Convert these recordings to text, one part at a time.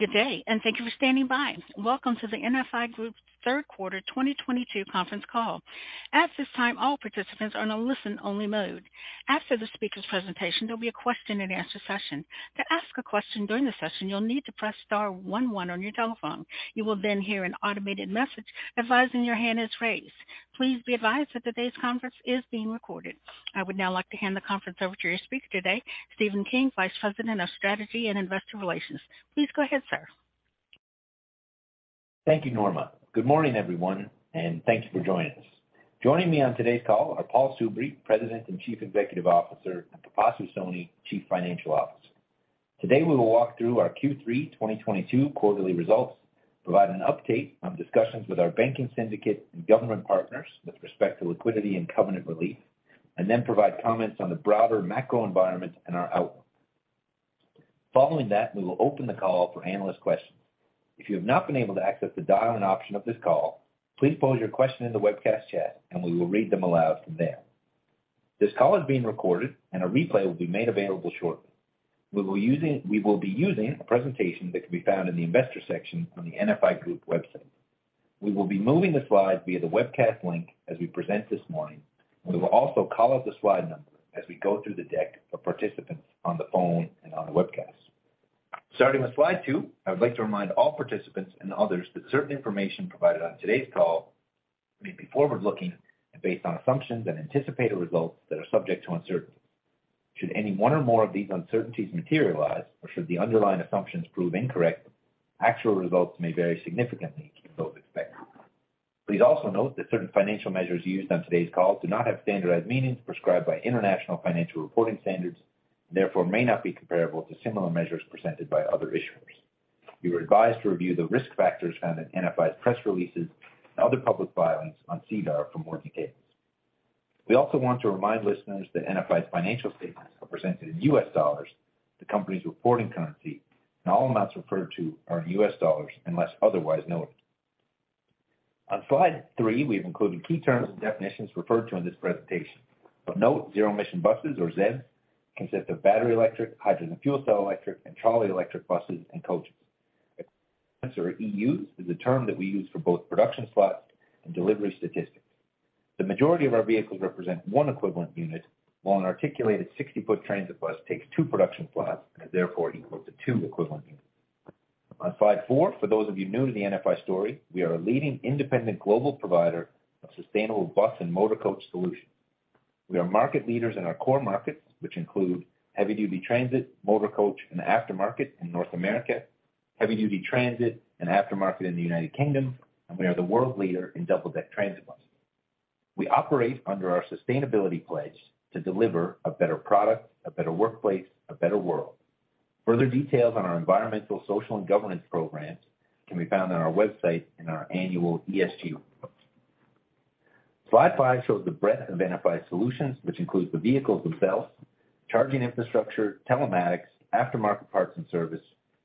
Good day, and thank you for standing by. Welcome to the NFI Group third quarter 2022 conference call. At this time, all participants are in a listen-only mode. After the speaker's presentation, there'll be a question-and-answer session. To ask a question during the session, you'll need to press star one one on your telephone. You will then hear an automated message advising your hand is raised. Please be advised that today's conference is being recorded. I would now like to hand the conference over to your speaker today, Stephen King, Vice President of Strategy and Investor Relations. Please go ahead, sir. Thank you, Norma. Good morning, everyone, and thanks for joining us. Joining me on today's call are Paul Soubry, President and Chief Executive Officer, and Pipasu Soni, Chief Financial Officer. Today, we will walk through our Q3 2022 quarterly results, provide an update on discussions with our banking syndicate and government partners with respect to liquidity and covenant relief, and then provide comments on the broader macro environment and our outlook. Following that, we will open the call for analyst questions. If you have not been able to access the dial-in option of this call, please pose your question in the webcast chat, and we will read them aloud from there. This call is being recorded and a replay will be made available shortly. We will be using a presentation that can be found in the investor section on the NFI Group website. We will be moving the slides via the webcast link as we present this morning. We will also call out the slide number as we go through the deck for participants on the phone and on the webcast. Starting with slide two, I would like to remind all participants and others that certain information provided on today's call may be forward-looking and based on assumptions and anticipated results that are subject to uncertainty. Should any one or more of these uncertainties materialize or should the underlying assumptions prove incorrect, actual results may vary significantly from those expected. Please also note that certain financial measures used on today's call do not have standardized meanings prescribed by International Financial Reporting Standards, therefore may not be comparable to similar measures presented by other issuers. You are advised to review the risk factors found in NFI's press releases and other public filings on SEDAR for more details. We also want to remind listeners that NFI's financial statements are presented in US dollars, the company's reporting currency, and all amounts referred to are in US dollars unless otherwise noted. On slide three, we've included key terms and definitions referred to in this presentation. Of note, zero-emission buses or ZEB consist of battery electric, hydrogen fuel cell electric, and trolley electric buses and coaches. Equivalent units or EUs is a term that we use for both production slots and delivery statistics. The majority of our vehicles represent one equivalent unit, while an articulated 60-foot transit bus takes two production slots and is therefore equal to two equivalent units. On slide four, for those of you new to the NFI story, we are a leading independent global provider of sustainable bus and motor coach solutions. We are market leaders in our core markets, which include heavy-duty transit, motor coach, and aftermarket in North America, heavy-duty transit and aftermarket in the United Kingdom, and we are the world leader in double-deck transit buses. We operate under our sustainability pledge to deliver a better product, a better workplace, a better world. Further details on our environmental, social, and governance programs can be found on our website in our annual ESG report. Slide five shows the breadth of NFI solutions, which includes the vehicles themselves, charging infrastructure, telematics, aftermarket parts and service,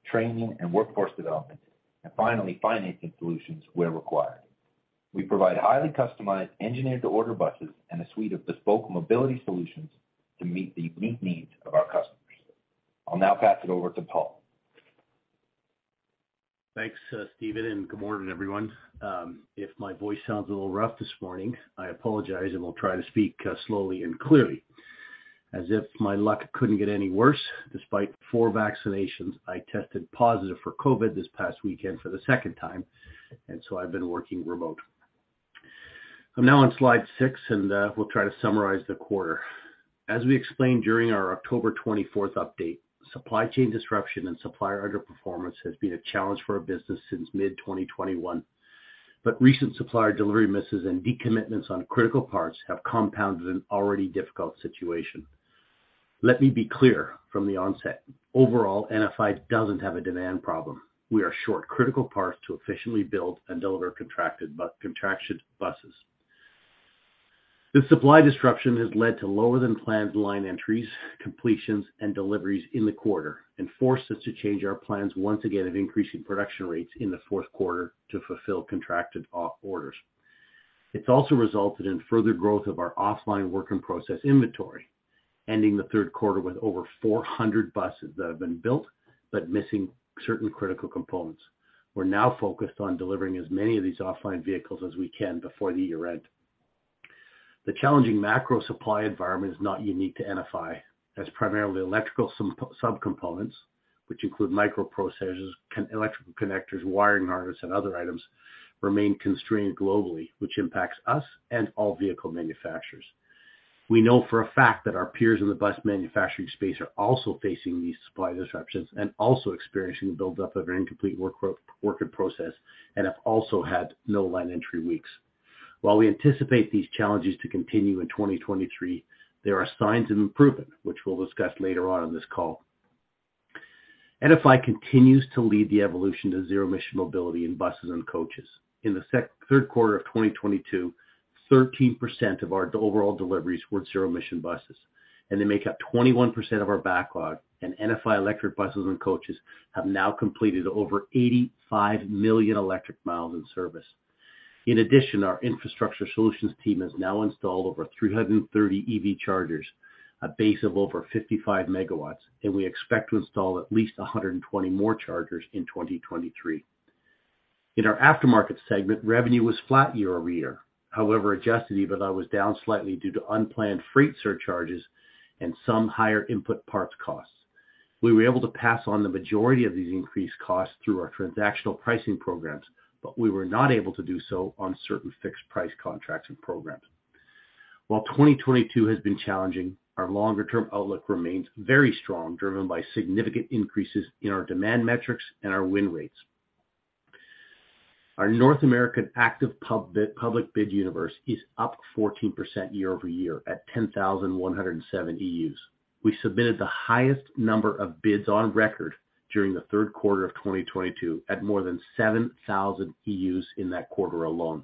training and workforce development, and finally, financing solutions where required. We provide highly customized engineered to order buses and a suite of bespoke mobility solutions to meet the unique needs of our customers. I'll now pass it over to Paul. Thanks, Stephen, and good morning, everyone. If my voice sounds a little rough this morning, I apologize and will try to speak slowly and clearly. As if my luck couldn't get any worse, despite four vaccinations, I tested positive for COVID this past weekend for the second time, and so I've been working remote. I'm now on slide 6, and we'll try to summarize the quarter. As we explained during our October 24 update, supply chain disruption and supplier underperformance has been a challenge for our business since mid-2021. Recent supplier delivery misses and decommitments on critical parts have compounded an already difficult situation. Let me be clear from the onset. Overall, NFI doesn't have a demand problem. We are short critical parts to efficiently build and deliver contracted buses. The supply disruption has led to lower than planned line entries, completions, and deliveries in the quarter and forced us to change our plans once again of increasing production rates in the fourth quarter to fulfill contracted orders. It's also resulted in further growth of our offline work in process inventory, ending the third quarter with over 400 buses that have been built but missing certain critical components. We're now focused on delivering as many of these offline vehicles as we can before the year end. The challenging macro supply environment is not unique to NFI as primarily electrical subcomponents, which include microprocessors, electrical connectors, wiring harnesses, and other items remain constrained globally, which impacts us and all vehicle manufacturers. We know for a fact that our peers in the bus manufacturing space are also facing these supply disruptions and also experiencing the buildup of an incomplete work in process and have also had no line entry weeks. While we anticipate these challenges to continue in 2023, there are signs of improvement, which we'll discuss later on in this call. NFI continues to lead the evolution to zero-emission mobility in buses and coaches. In the third quarter of 2022, 13% of our overall deliveries were zero-emission buses, and they make up 21% of our backlog. NFI electric buses and coaches have now completed over 85 million electric miles in service. In addition, our infrastructure solutions team has now installed over 330 EV chargers, a base of over 55 megawatts, and we expect to install at least 120 more chargers in 2023. In our aftermarket segment, revenue was flat year-over-year. However, Adjusted EBITDA was down slightly due to unplanned freight surcharges and some higher input parts costs. We were able to pass on the majority of these increased costs through our transactional pricing programs, but we were not able to do so on certain fixed-price contracts and programs. While 2022 has been challenging, our longer-term outlook remains very strong, driven by significant increases in our demand metrics and our win rates. Our North American active public bid universe is up 14% year-over-year at 10,107 EUs. We submitted the highest number of bids on record during the third quarter of 2022 at more than 7,000 EUs in that quarter alone.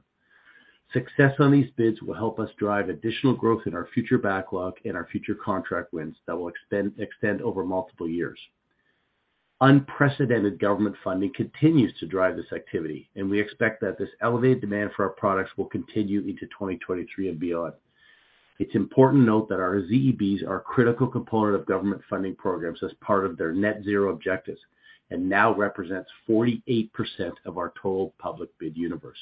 Success on these bids will help us drive additional growth in our future backlog and our future contract wins that will extend over multiple years. Unprecedented government funding continues to drive this activity, and we expect that this elevated demand for our products will continue into 2023 and beyond. It's important to note that our ZEBs are a critical component of government funding programs as part of their Net Zero objectives, and now represents 48% of our total public bid universe.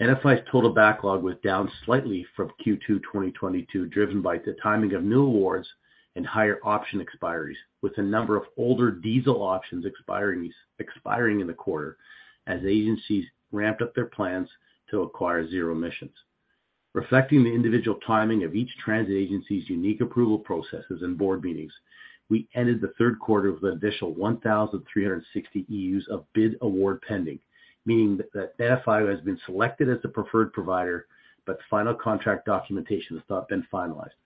NFI's total backlog was down slightly from Q2 2022, driven by the timing of new awards and higher option expiries, with a number of older diesel options expiring in the quarter as agencies ramped up their plans to acquire zero emissions. Reflecting the individual timing of each transit agency's unique approval processes and board meetings, we ended the third quarter with an additional 1,360 EUs of bid award pending, meaning that NFI has been selected as the preferred provider, but the final contract documentation has not been finalized.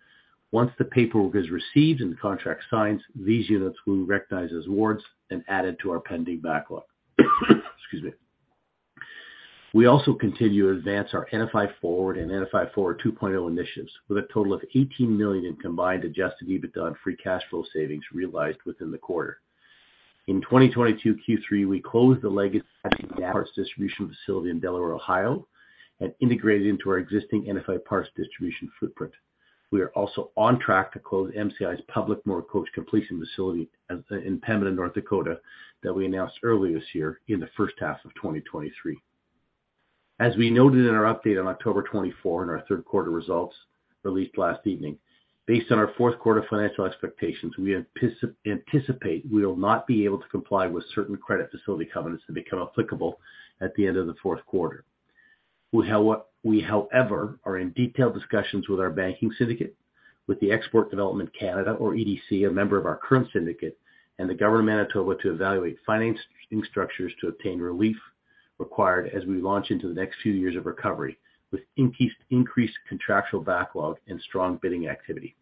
Once the paperwork is received and the contract signed, these units we recognize as awards and added to our pending backlog. Excuse me. We also continue to advance our NFI Forward and NFI Forward 2.0 initiatives with a total of $18 million in combined Adjusted EBITDA and free cash flow savings realized within the quarter. In 2022 Q3, we closed the legacy parts distribution facility in Delaware, Ohio, and integrated into our existing NFI parts distribution footprint. We are also on track to close MCI's public motor coach completion facility in Pembina, North Dakota, that we announced earlier this year in the first half of 2023. As we noted in our update on October 24 in our third quarter results released last evening, based on our fourth quarter financial expectations, we anticipate we will not be able to comply with certain credit facility covenants that become applicable at the end of the fourth quarter. We, however, are in detailed discussions with our banking syndicate, with Export Development Canada or EDC, a member of our current syndicate, and the Government of Manitoba to evaluate financing structures to obtain relief required as we launch into the next few years of recovery with increased contractual backlog and strong bidding activity.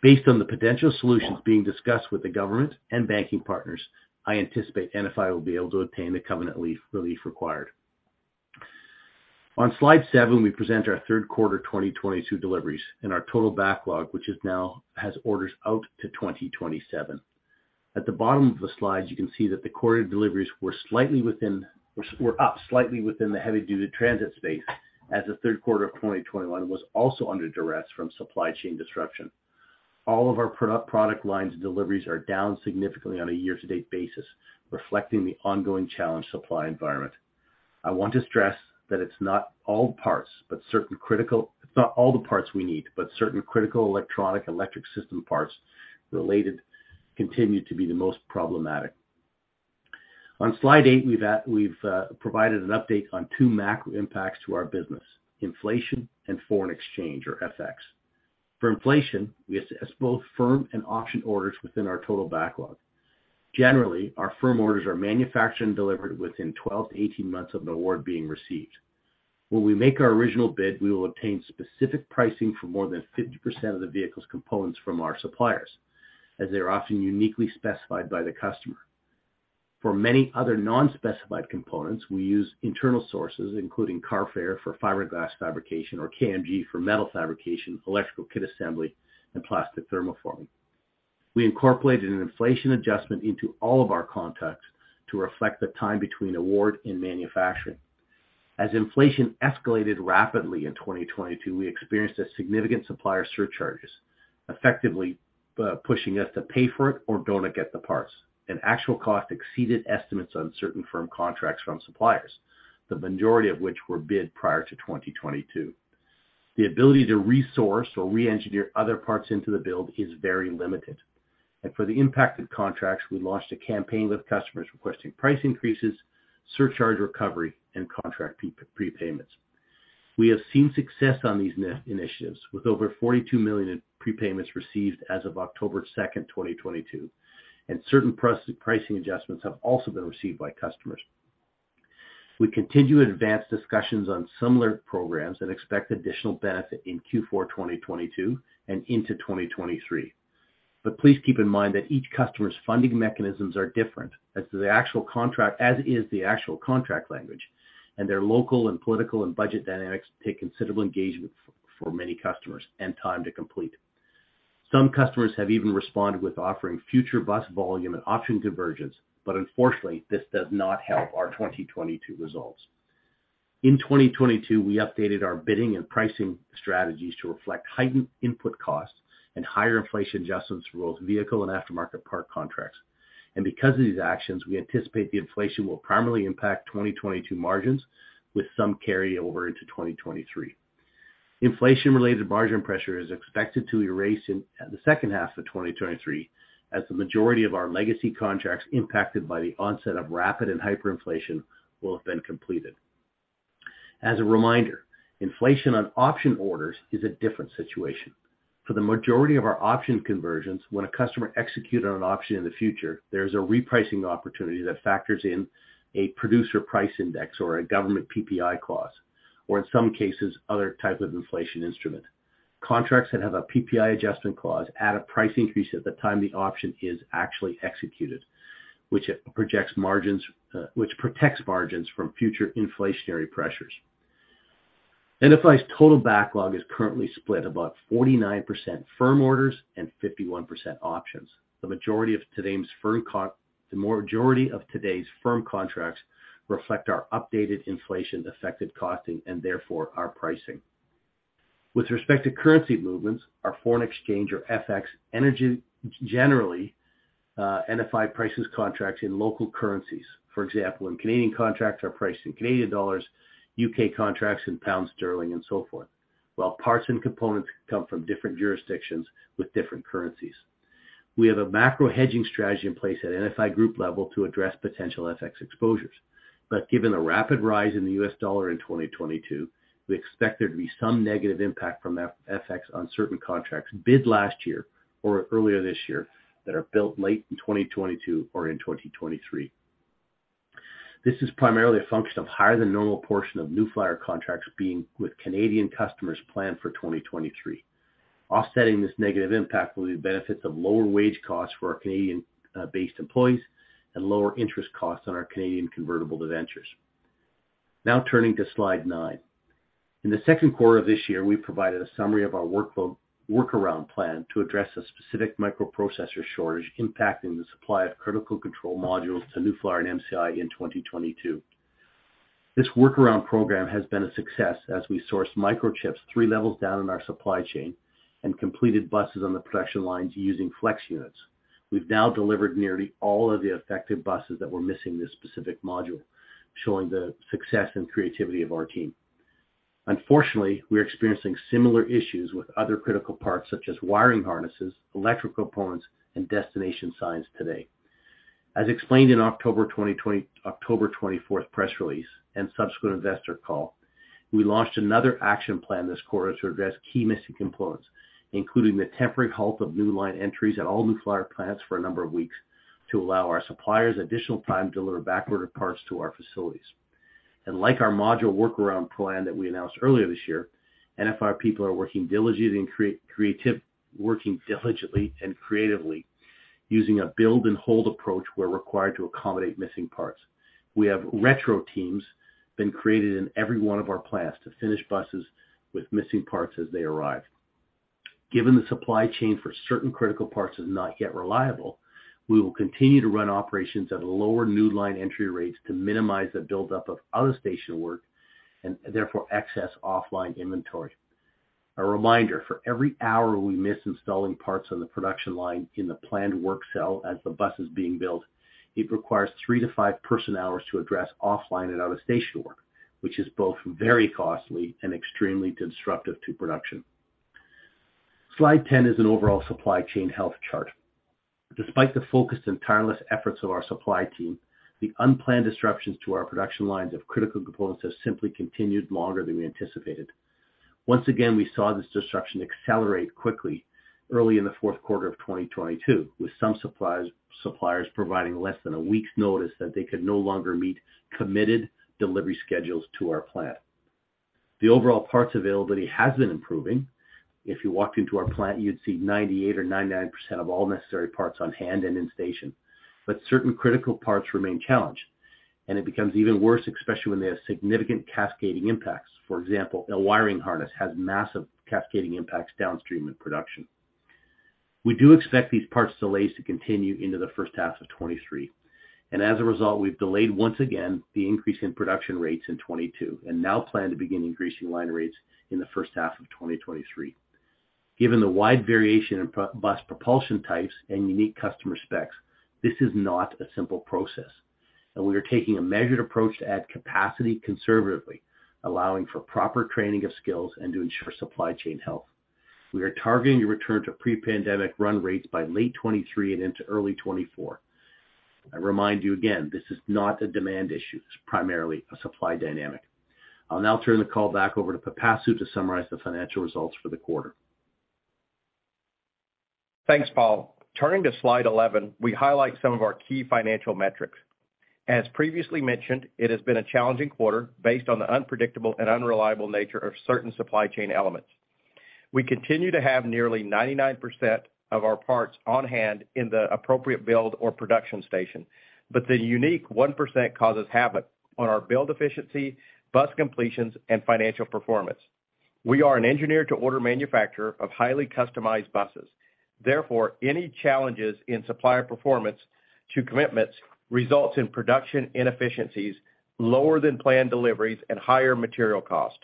Based on the potential solutions being discussed with the government and banking partners, I anticipate NFI will be able to obtain the covenant relief required. On slide 7, we present our third quarter 2022 deliveries and our total backlog, which now has orders out to 2027. At the bottom of the slide, you can see that the quarter deliveries were up slightly within the heavy-duty transit space as the third quarter of 2021 was also under duress from supply chain disruption. All of our product lines deliveries are down significantly on a year-to-date basis, reflecting the ongoing challenged supply environment. I want to stress that it's not all the parts we need, but certain critical electronic electric system parts related continue to be the most problematic. On slide eight, we've provided an update on two macro impacts to our business, inflation and foreign exchange or FX. For inflation, we assess both firm and option orders within our total backlog. Generally, our firm orders are manufactured and delivered within 12 to 18 months of the award being received. When we make our original bid, we will obtain specific pricing for more than 50% of the vehicle's components from our suppliers, as they are often uniquely specified by the customer. For many other non-specified components, we use internal sources, including Carfair for fiberglass fabrication or KMG for metal fabrication, electrical kit assembly, and plastic thermoforming. We incorporated an inflation adjustment into all of our contracts to reflect the time between award and manufacturing. As inflation escalated rapidly in 2022, we experienced a significant supplier surcharges, effectively, pushing us to pay for it or don't get the parts. An actual cost exceeded estimates on certain firm contracts from suppliers, the majority of which were bid prior to 2022. The ability to resource or re-engineer other parts into the build is very limited. For the impacted contracts, we launched a campaign with customers requesting price increases, surcharge recovery, and contract prepayments. We have seen success on these initiatives, with over $42 million in prepayments received as of October 2, 2022, and certain pricing adjustments have also been received by customers. We continue to advance discussions on similar programs and expect additional benefit in Q4 2022 and into 2023. Please keep in mind that each customer's funding mechanisms are different as to the actual contract, as is the actual contract language, and their local and political and budget dynamics take considerable engagement for many customers and time to complete. Some customers have even responded with offering future bus volume and option convergence, but unfortunately, this does not help our 2022 results. In 2022, we updated our bidding and pricing strategies to reflect heightened input costs and higher inflation adjustments for both vehicle and aftermarket part contracts. Because of these actions, we anticipate the inflation will primarily impact 2022 margins with some carryover into 2023. Inflation-related margin pressure is expected to ease in the second half of 2023 as the majority of our legacy contracts impacted by the onset of rapid and hyperinflation will have been completed. As a reminder, inflation on option orders is a different situation. For the majority of our option conversions, when a customer executed an option in the future, there is a repricing opportunity that factors in a producer price index or a government PPI clause, or in some cases, other type of inflation instrument. Contracts that have a PPI adjustment clause add a price increase at the time the option is actually executed, which protects margins from future inflationary pressures. NFI's total backlog is currently split about 49% firm orders and 51% options. The majority of today's firm contracts reflect our updated inflation-affected costing and therefore our pricing. With respect to currency movements, our foreign exchange or FX hedges, generally, NFI prices contracts in local currencies. For example, when Canadian contracts are priced in Canadian dollars, UK contracts in pounds sterling, and so forth, while parts and components come from different jurisdictions with different currencies. We have a macro hedging strategy in place at NFI Group level to address potential FX exposures. Given the rapid rise in the US dollar in 2022, we expect there to be some negative impact from FX on certain contracts bid last year or earlier this year that are built late in 2022 or in 2023. This is primarily a function of higher than normal portion of New Flyer contracts being with Canadian customers planned for 2023. Offsetting this negative impact will be the benefits of lower wage costs for our Canadian based employees and lower interest costs on our Canadian convertible debentures. Now turning to slide 9. In the second quarter of this year, we provided a summary of our workload workaround plan to address a specific microprocessor shortage impacting the supply of critical control modules to New Flyer and MCI in 2022. This workaround program has been a success as we sourced microchips three levels down in our supply chain and completed buses on the production lines using flex units. We've now delivered nearly all of the affected buses that were missing this specific module, showing the success and creativity of our team. Unfortunately, we're experiencing similar issues with other critical parts such as wiring harnesses, electrical components, and destination signs today. As explained in October twenty-fourth press release and subsequent investor call, we launched another action plan this quarter to address key missing components, including the temporary halt of new line entries at all New Flyer plants for a number of weeks to allow our suppliers additional time to deliver backorder parts to our facilities. Like our module workaround plan that we announced earlier this year, NFI people are working diligently and creatively using a build and hold approach where required to accommodate missing parts. We have retrofit teams been created in every one of our plants to finish buses with missing parts as they arrive. Given the supply chain for certain critical parts is not yet reliable, we will continue to run operations at lower new line entry rates to minimize the buildup of out of station work and therefore excess offline inventory. A reminder, for every hour we miss installing parts on the production line in the planned work cell as the bus is being built, it requires 3-5 personnel hours to address offline and out of station work, which is both very costly and extremely disruptive to production. Slide 10 is an overall supply chain health chart. Despite the focused and tireless efforts of our supply team, the unplanned disruptions to our production lines of critical components has simply continued longer than we anticipated. Once again, we saw this disruption accelerate quickly early in the fourth quarter of 2022, with some suppliers providing less than a week's notice that they could no longer meet committed delivery schedules to our plant. The overall parts availability has been improving. If you walked into our plant, you'd see 98% or 99% of all necessary parts on hand and in station. But certain critical parts remain challenged, and it becomes even worse, especially when they have significant cascading impacts. For example, a wiring harness has massive cascading impacts downstream in production. We do expect these parts delays to continue into the first half of 2023, and as a result, we've delayed once again the increase in production rates in 2022, and now plan to begin increasing line rates in the first half of 2023. Given the wide variation in bus propulsion types and unique customer specs, this is not a simple process, and we are taking a measured approach to add capacity conservatively, allowing for proper training of skills and to ensure supply chain health. We are targeting a return to pre-pandemic run rates by late 2023 and into early 2024. I remind you again, this is not a demand issue, it's primarily a supply dynamic. I'll now turn the call back over to Pipasu Soni to summarize the financial results for the quarter. Thanks, Paul. Turning to slide 11, we highlight some of our key financial metrics. As previously mentioned, it has been a challenging quarter based on the unpredictable and unreliable nature of certain supply chain elements. We continue to have nearly 99% of our parts on hand in the appropriate build or production station, but the unique 1% causes havoc on our build efficiency, bus completions, and financial performance. We are an engineer to order manufacturer of highly customized buses. Therefore, any challenges in supplier performance to commitments results in production inefficiencies, lower than planned deliveries and higher material cost.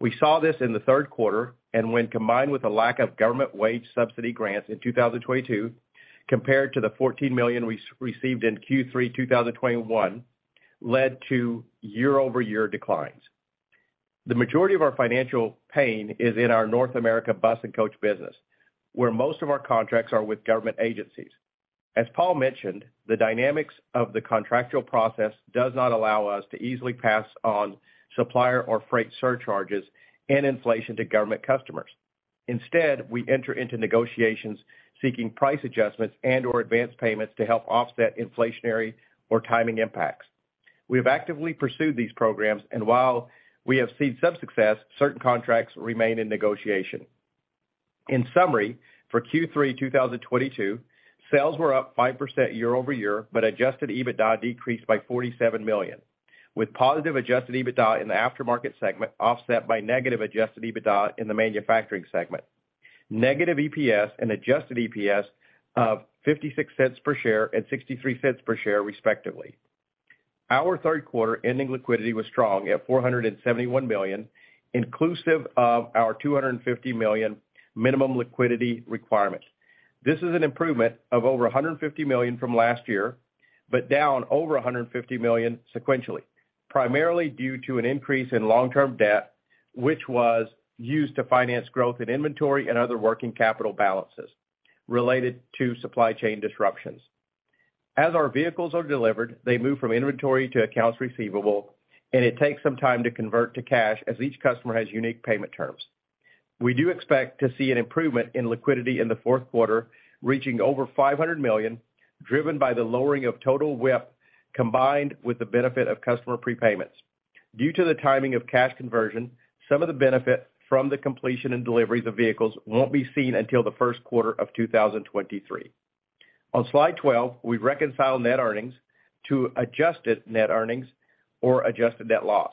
We saw this in the third quarter and when combined with a lack of government wage subsidy grants in 2022 compared to the $14 million we received in Q3 2021 led to year-over-year declines. The majority of our financial pain is in our North America bus and coach business, where most of our contracts are with government agencies. As Paul mentioned, the dynamics of the contractual process does not allow us to easily pass on supplier or freight surcharges and inflation to government customers. Instead, we enter into negotiations seeking price adjustments and or advanced payments to help offset inflationary or timing impacts. We have actively pursued these programs and while we have seen some success, certain contracts remain in negotiation. In summary, for Q3 2022, sales were up 5% year-over-year, but adjusted EBITDA decreased by $47 million, with positive adjusted EBITDA in the aftermarket segment offset by negative adjusted EBITDA in the manufacturing segment. Negative EPS and adjusted EPS of $0.56 per share at $0.63 per share, respectively. Our third quarter ending liquidity was strong at $471 million, inclusive of our $250 million minimum liquidity requirement. This is an improvement of over $150 million from last year, but down over $150 million sequentially, primarily due to an increase in long-term debt, which was used to finance growth in inventory and other working capital balances related to supply chain disruptions. As our vehicles are delivered, they move from inventory to accounts receivable, and it takes some time to convert to cash as each customer has unique payment terms. We do expect to see an improvement in liquidity in the fourth quarter, reaching over $500 million, driven by the lowering of total WIP, combined with the benefit of customer prepayments. Due to the timing of cash conversion, some of the benefit from the completion and delivery of the vehicles won't be seen until the first quarter of 2023. On slide 12, we reconcile net earnings to adjusted net earnings or adjusted net loss.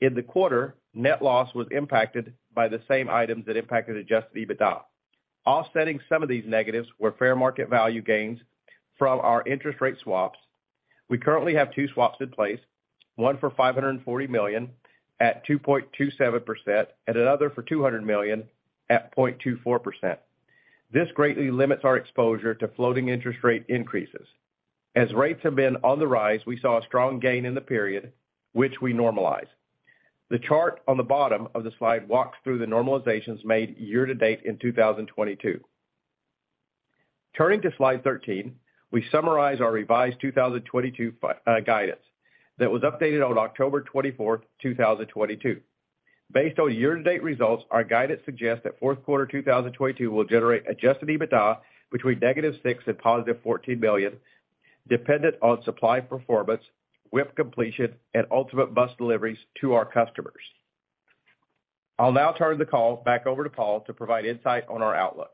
In the quarter, net loss was impacted by the same items that impacted adjusted EBITDA. Offsetting some of these negatives were fair market value gains from our interest rate swaps. We currently have two swaps in place, one for $540 million at 2.27% and another for $200 million at 0.24%. This greatly limits our exposure to floating interest rate increases. As rates have been on the rise, we saw a strong gain in the period, which we normalize. The chart on the bottom of the slide walks through the normalizations made year to date in 2022. Turning to slide 13, we summarize our revised 2022 guidance that was updated on October 24, 2022. Based on year-to-date results, our guidance suggests that fourth quarter 2022 will generate Adjusted EBITDA between -$6 million and $14 million, dependent on supply performance, WIP completion and ultimate bus deliveries to our customers. I'll now turn the call back over to Paul to provide insight on our outlook.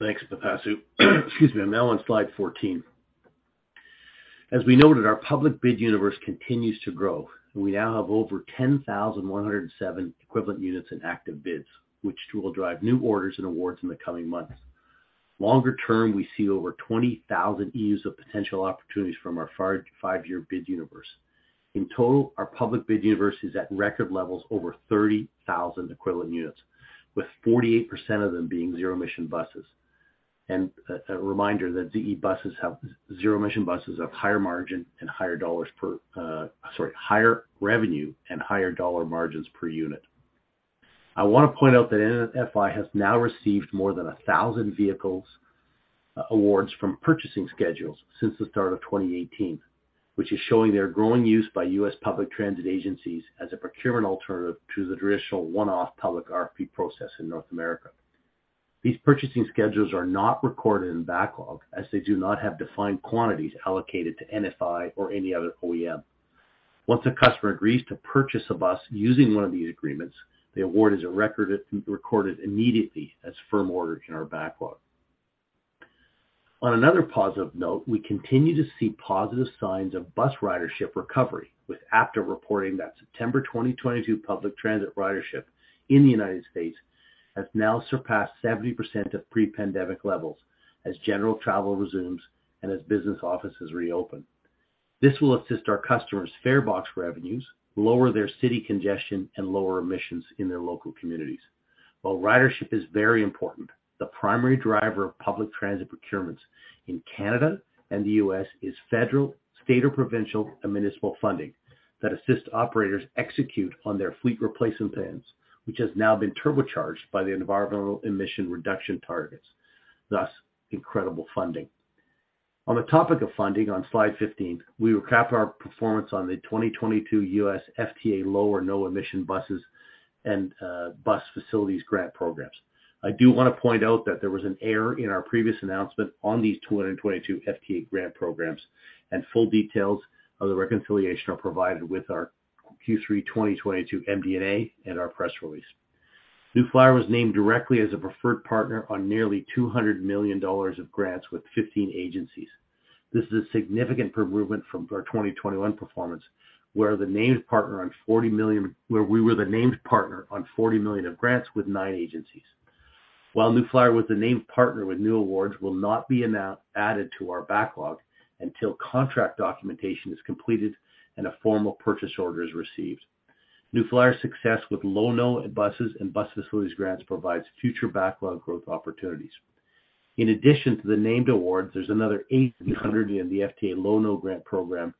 Thanks, Pipasu. Excuse me. I'm now on slide 14. As we noted, our public bid universe continues to grow. We now have over 10,107 equivalent units in active bids, which too will drive new orders and awards in the coming months. Longer term, we see over 20,000 EUs of potential opportunities from our five-year bid universe. In total, our public bid universe is at record levels over 30,000 equivalent units, with 48% of them being zero-emission buses. A reminder that ZE buses have higher margins and higher revenue and higher dollar margins per unit. I want to point out that NFI has now received more than 1,000 vehicles awards from purchasing schedules since the start of 2018, which is showing their growing use by U.S. public transit agencies as a procurement alternative to the traditional one-off public RFP process in North America. These purchasing schedules are not recorded in backlog as they do not have defined quantities allocated to NFI or any other OEM. Once a customer agrees to purchase a bus using one of these agreements, the award is recorded immediately as firm orders in our backlog. On another positive note, we continue to see positive signs of bus ridership recovery, with APTA reporting that September 2022 public transit ridership in the United States has now surpassed 70% of pre-pandemic levels as general travel resumes and as business offices reopen. This will assist our customers' fare box revenues, lower their city congestion, and lower emissions in their local communities. While ridership is very important, the primary driver of public transit procurements in Canada and the U.S. is federal, state, or provincial and municipal funding that assists operators execute on their fleet replacement plans, which has now been turbocharged by the environmental emission reduction targets, that's incredible funding. On the topic of funding on slide 15, we will recap our performance on the 2022 U.S. FTA Low or No Emission buses and bus facilities grant programs. I do want to point out that there was an error in our previous announcement on these 2022 FTA grant programs, and full details of the reconciliation are provided with our Q3 2022 MD&A and our press release. New Flyer was named directly as a preferred partner on nearly $200 million of grants with 15 agencies. This is a significant improvement from our 2021 performance, where we were the named partner on $40 million of grants with nine agencies. While New Flyer was the named partner, new awards will not be added to our backlog until contract documentation is completed and a formal purchase order is received. New Flyer's success with low-no buses and bus facilities grants provides future backlog growth opportunities. In addition to the named awards, there's another $800 million in the FTA Low-No Grant Program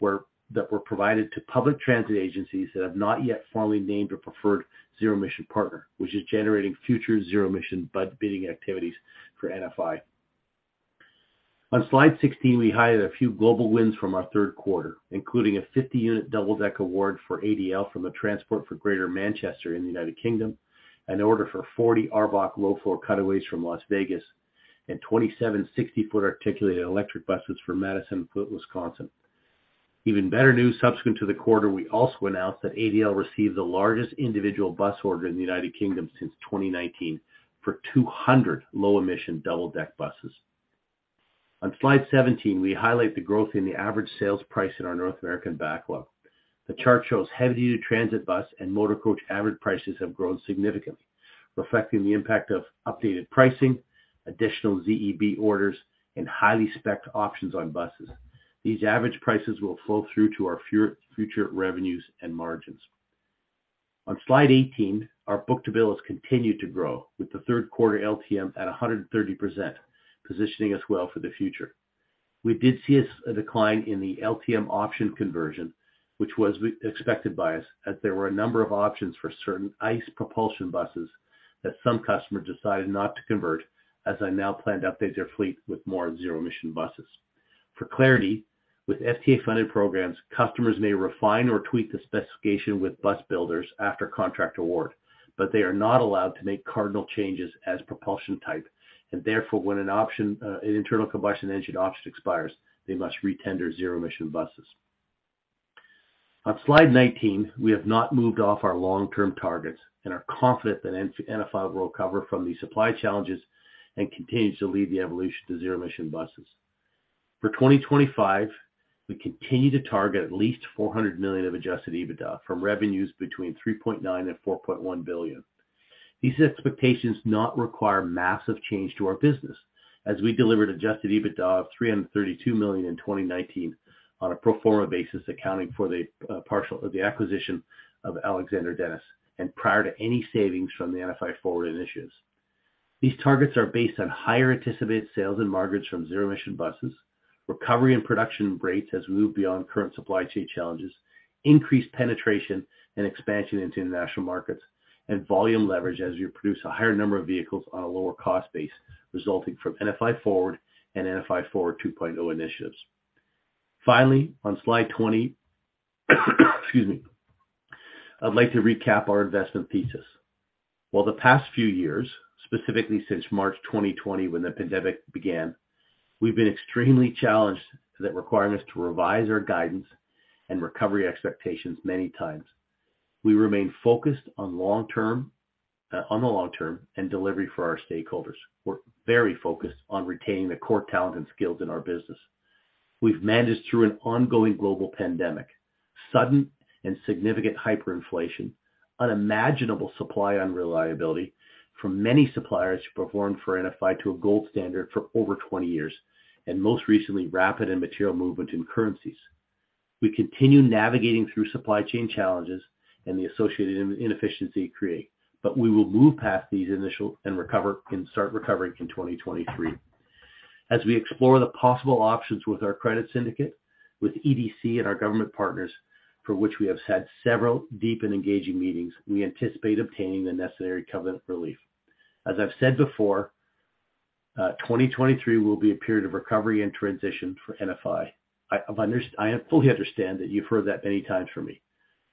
that were provided to public transit agencies that have not yet formally named a preferred zero-emission partner, which is generating future zero-emission bus-bidding activities for NFI. On slide 16, we highlighted a few global wins from our third quarter, including a 50-unit double-deck award for ADL from the Transport for Greater Manchester in the United Kingdom, an order for 40 ARBOC low-floor cutaways from Las Vegas, and 27 60-foot articulated electric buses for Madison, Wisconsin. Even better news, subsequent to the quarter, we also announced that ADL received the largest individual bus order in the United Kingdom since 2019 for 200 low-emission double-deck buses. On slide 17, we highlight the growth in the average sales price in our North American backlog. The chart shows heavy-duty transit bus and motor coach average prices have grown significantly, reflecting the impact of updated pricing, additional ZEB orders, and highly specced options on buses. These average prices will flow through to our future revenues and margins. On slide 18, our book-to-bill has continued to grow with the third quarter LTM at 130%, positioning us well for the future. We did see a decline in the LTM option conversion, which was expected by us as there were a number of options for certain ICE propulsion buses that some customers decided not to convert, as they now plan to update their fleet with more zero-emission buses. For clarity, with FTA-funded programs, customers may refine or tweak the specification with bus builders after contract award, but they are not allowed to make cardinal changes as propulsion type. Therefore, when an option, an internal combustion engine option expires, they must re-tender zero-emission buses. On slide 19, we have not moved off our long-term targets and are confident that NFI will recover from the supply challenges and continues to lead the evolution to zero-emission buses. For 2025, we continue to target at least $400 million of adjusted EBITDA from revenues between $3.9 billion and $4.1 billion. These expectations not require massive change to our business, as we delivered adjusted EBITDA of $332 million in 2019 on a pro forma basis, accounting for the partial acquisition of Alexander Dennis and prior to any savings from the NFI Forward initiatives. These targets are based on higher anticipated sales and margins from zero-emission buses, recovery in production rates as we move beyond current supply chain challenges, increased penetration and expansion into international markets, and volume leverage as we produce a higher number of vehicles on a lower cost base resulting from NFI Forward and NFI Forward 2.0 initiatives. Finally, on slide 20, excuse me, I'd like to recap our investment thesis. While the past few years, specifically since March 2020 when the pandemic began, we've been extremely challenged that require us to revise our guidance and recovery expectations many times. We remain focused on long-term, on the long term and delivery for our stakeholders. We're very focused on retaining the core talent and skills in our business. We've managed through an ongoing global pandemic, sudden and significant hyperinflation, unimaginable supply unreliability from many suppliers who performed for NFI to a gold standard for over 20 years, and most recently, rapid and material movement in currencies. We continue navigating through supply chain challenges and the associated inefficiencies it creates, but we will move past these and recover and start recovering in 2023. As we explore the possible options with our credit syndicate, with EDC and our government partners, for which we have had several deep and engaging meetings, we anticipate obtaining the necessary covenant relief. As I've said before, 2023 will be a period of recovery and transition for NFI. I fully understand that you've heard that many times from me.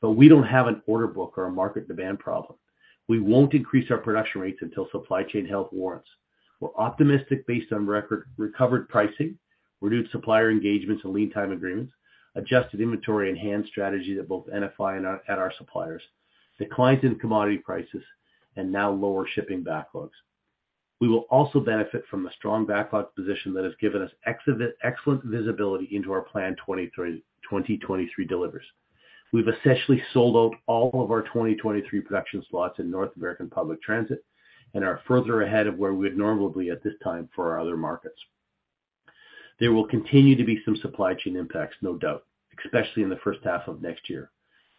We don't have an order book or a market demand problem. We won't increase our production rates until supply chain health warrants. We're optimistic based on record recovered pricing, reduced supplier engagements and lead time agreements, adjusted inventory and hedge strategy at both NFI and our suppliers, declines in commodity prices, and now lower shipping backlogs. We will also benefit from the strong backlog position that has given us excellent visibility into our planned 2023 deliveries. We've essentially sold out all of our 2023 production slots in North American public transit and are further ahead of where we'd normally be at this time for our other markets. There will continue to be some supply chain impacts, no doubt, especially in the first half of next year,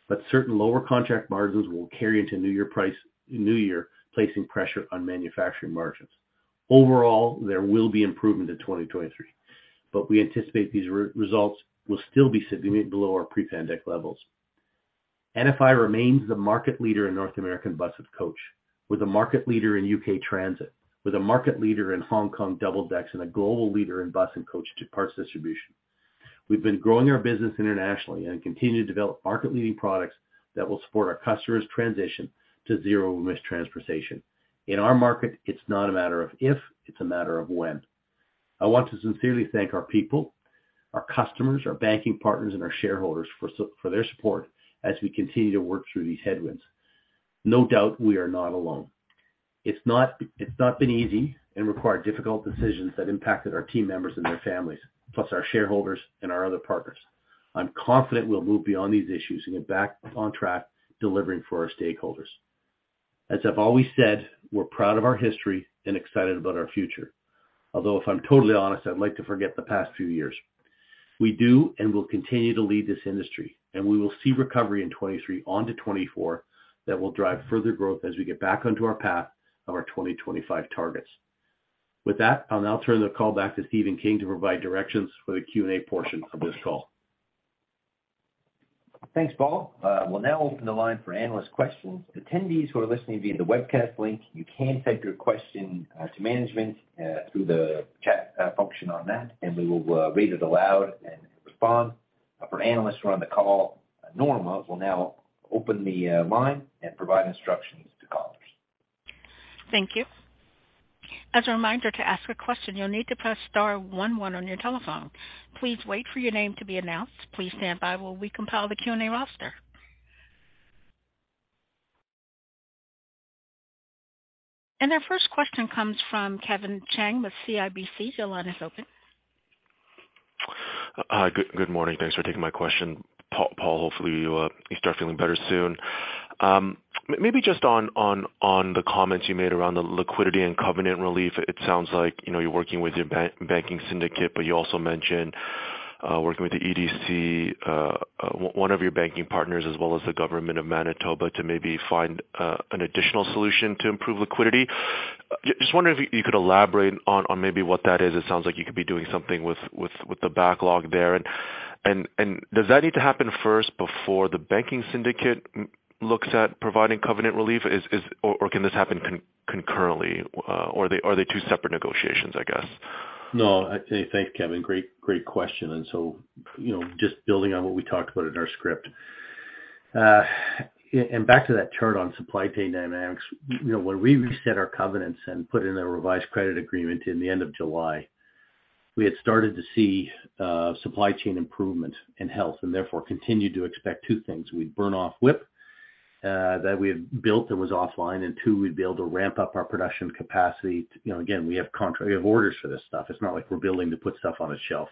but certain lower contract margins will carry into new year pricing, placing pressure on manufacturing margins. Overall, there will be improvement in 2023, but we anticipate these results will still be significantly below our pre-pandemic levels. NFI remains the market leader in North American bus and coach, with a market leader in U.K. transit, with a market leader in Hong Kong double-decks and a global leader in bus and coach to parts distribution. We've been growing our business internationally and continue to develop market-leading products that will support our customers' transition to zero-emission transportation. In our market, it's not a matter of if, it's a matter of when. I want to sincerely thank our people, our customers, our banking partners, and our shareholders for their support as we continue to work through these headwinds. No doubt we are not alone. It's not been easy and required difficult decisions that impacted our team members and their families, plus our shareholders and our other partners. I'm confident we'll move beyond these issues and get back on track delivering for our stakeholders. As I've always said, we're proud of our history and excited about our future. Although if I'm totally honest, I'd like to forget the past few years. We do and will continue to lead this industry, and we will see recovery in 2023 on to 2024 that will drive further growth as we get back onto our path of our 2025 targets. With that, I'll now turn the call back to Stephen King to provide directions for the Q&A portion of this call. Thanks, Paul. We'll now open the line for analyst questions. Attendees who are listening via the webcast link, you can type your question to management through the chat function on that, and we will read it aloud and respond. For analysts who are on the call, Norma will now open the line and provide instructions to callers. Thank you. As a reminder, to ask a question, you'll need to press star one one on your telephone. Please wait for your name to be announced. Please stand by while we compile the Q&A roster. Our first question comes from Kevin Chiang with CIBC. Your line is open. Good morning. Thanks for taking my question. Paul, hopefully you start feeling better soon. Maybe just on the comments you made around the liquidity and covenant relief, it sounds like, you know, you're working with your banking syndicate, but you also mentioned working with the EDC, one of your banking partners, as well as the government of Manitoba, to maybe find an additional solution to improve liquidity. Just wondering if you could elaborate on maybe what that is. It sounds like you could be doing something with the backlog there. Does that need to happen first before the banking syndicate looks at providing covenant relief? Is... Or can this happen concurrently? Or are they two separate negotiations, I guess? Hey, thanks, Kevin. Great question. You know, just building on what we talked about in our script. And back to that chart on supply chain dynamics, you know, when we reset our covenants and put in a revised credit agreement in the end of July, we had started to see supply chain improvement and health and therefore continued to expect two things. We'd burn off WIP that we had built that was offline. Two, we'd be able to ramp up our production capacity. You know, again, we have contracts. We have orders for this stuff. It's not like we're building to put stuff on a shelf.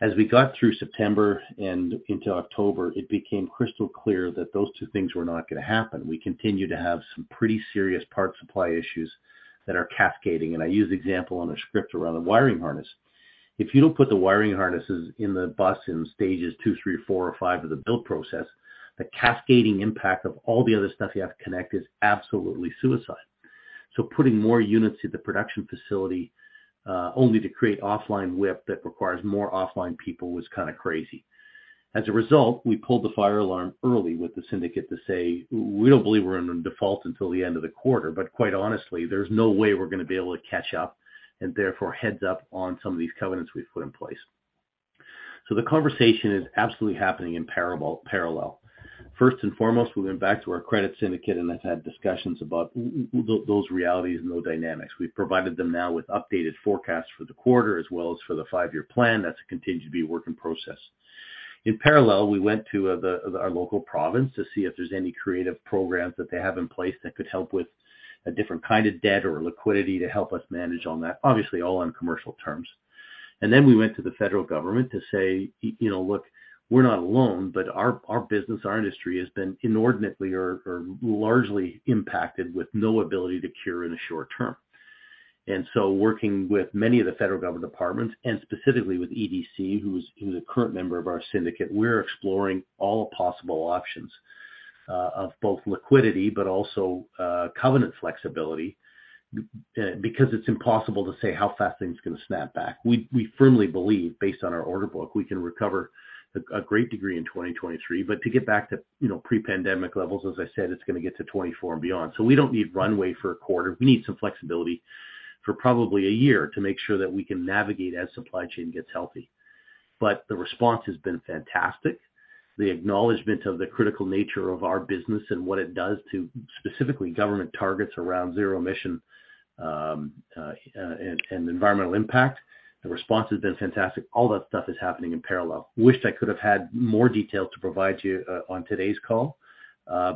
As we got through September and into October, it became crystal clear that those two things were not gonna happen. We continued to have some pretty serious parts supply issues that are cascading, and I use the example on the script around the wiring harness. If you don't put the wiring harnesses in the bus in stages two, three, four, or five of the build process, the cascading impact of all the other stuff you have to connect is absolutely suicide. Putting more units through the production facility only to create offline WIP that requires more offline people was kind of crazy. As a result, we pulled the fire alarm early with the syndicate to say, "We don't believe we're in default until the end of the quarter, but quite honestly, there's no way we're gonna be able to catch up, and therefore, heads up on some of these covenants we've put in place." The conversation is absolutely happening in parallel. First and foremost, we went back to our credit syndicate and have had discussions about those realities and those dynamics. We've provided them now with updated forecasts for the quarter as well as for the five-year plan. That's continued to be a work in process. In parallel, we went to our local province to see if there's any creative programs that they have in place that could help with a different kind of debt or liquidity to help us manage on that, obviously all on commercial terms. We went to the federal government to say, you know, "Look, we're not alone, but our business, our industry has been inordinately or largely impacted with no ability to cure in the short term." Working with many of the federal government departments and specifically with EDC, who's a current member of our syndicate, we're exploring all possible options of both liquidity but also covenant flexibility because it's impossible to say how fast things can snap back. We firmly believe, based on our order book, we can recover a great degree in 2023. To get back to, you know, pre-pandemic levels, as I said, it's gonna get to 2024 and beyond. We don't need runway for a quarter. We need some flexibility for probably a year to make sure that we can navigate as supply chain gets healthy. The response has been fantastic. The acknowledgment of the critical nature of our business and what it does to specifically government targets around zero-emission and environmental impact, the response has been fantastic. All that stuff is happening in parallel. Wished I could have had more detail to provide to you on today's call,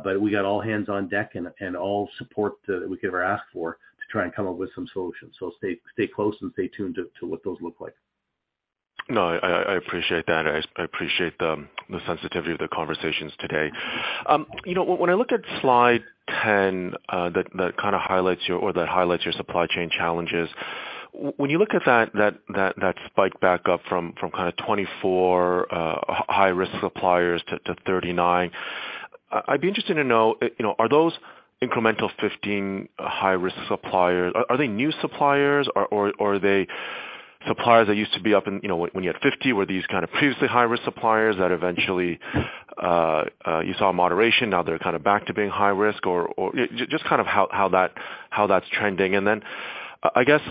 but we got all hands on deck and all support that we could ever ask for to try and come up with some solutions. Stay close and stay tuned to what those look like. No, I appreciate that. I appreciate the sensitivity of the conversations today. You know, when I look at slide ten, that kind of highlights your supply chain challenges, when you look at that spike back up from kind of 24 high-risk suppliers to 39, I'd be interested to know, you know, are those incremental 15 high-risk suppliers, are they new suppliers? Or are they suppliers that used to be up in, you know, when you had 50? Were these kind of previously high-risk suppliers that eventually you saw moderation, now they're kind of back to being high risk? Or just kind of how that's trending. Then I guess,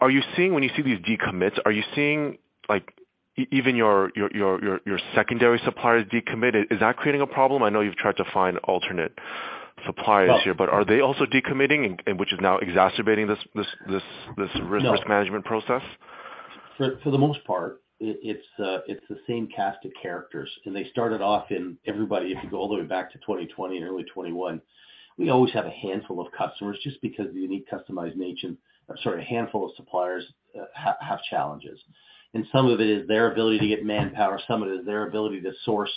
are you seeing? When you see these decommits, are you seeing, like even your secondary suppliers decommit? Is that creating a problem? I know you've tried to find alternate suppliers here, but are they also decommitting and which is now exacerbating this risk- No Risk management process? For the most part it's the same cast of characters, and they started off impacting everybody. If you go all the way back to 2020 and early 2021, we always have a handful of customers just because of the unique customized nature. Sorry, a handful of suppliers have challenges. Some of it is their ability to get manpower, some of it is their ability to source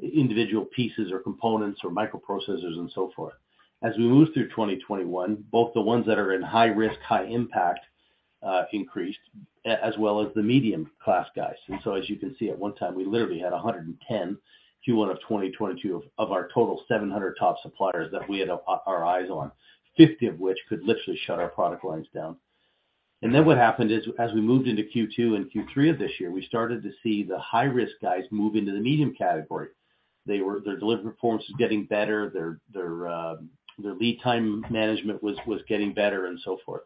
individual pieces or components or microprocessors and so forth. As we move through 2021, both the ones that are in high risk, high impact, increased as well as the medium class guys. As you can see, at one time, we literally had 110, Q1 of 2022, of our total 700 top suppliers that we had our eyes on. 50 of which could literally shut our product lines down. What happened is as we moved into Q2 and Q3 of this year, we started to see the high-risk guys move into the medium category. Their delivery performance was getting better, their lead time management was getting better and so forth.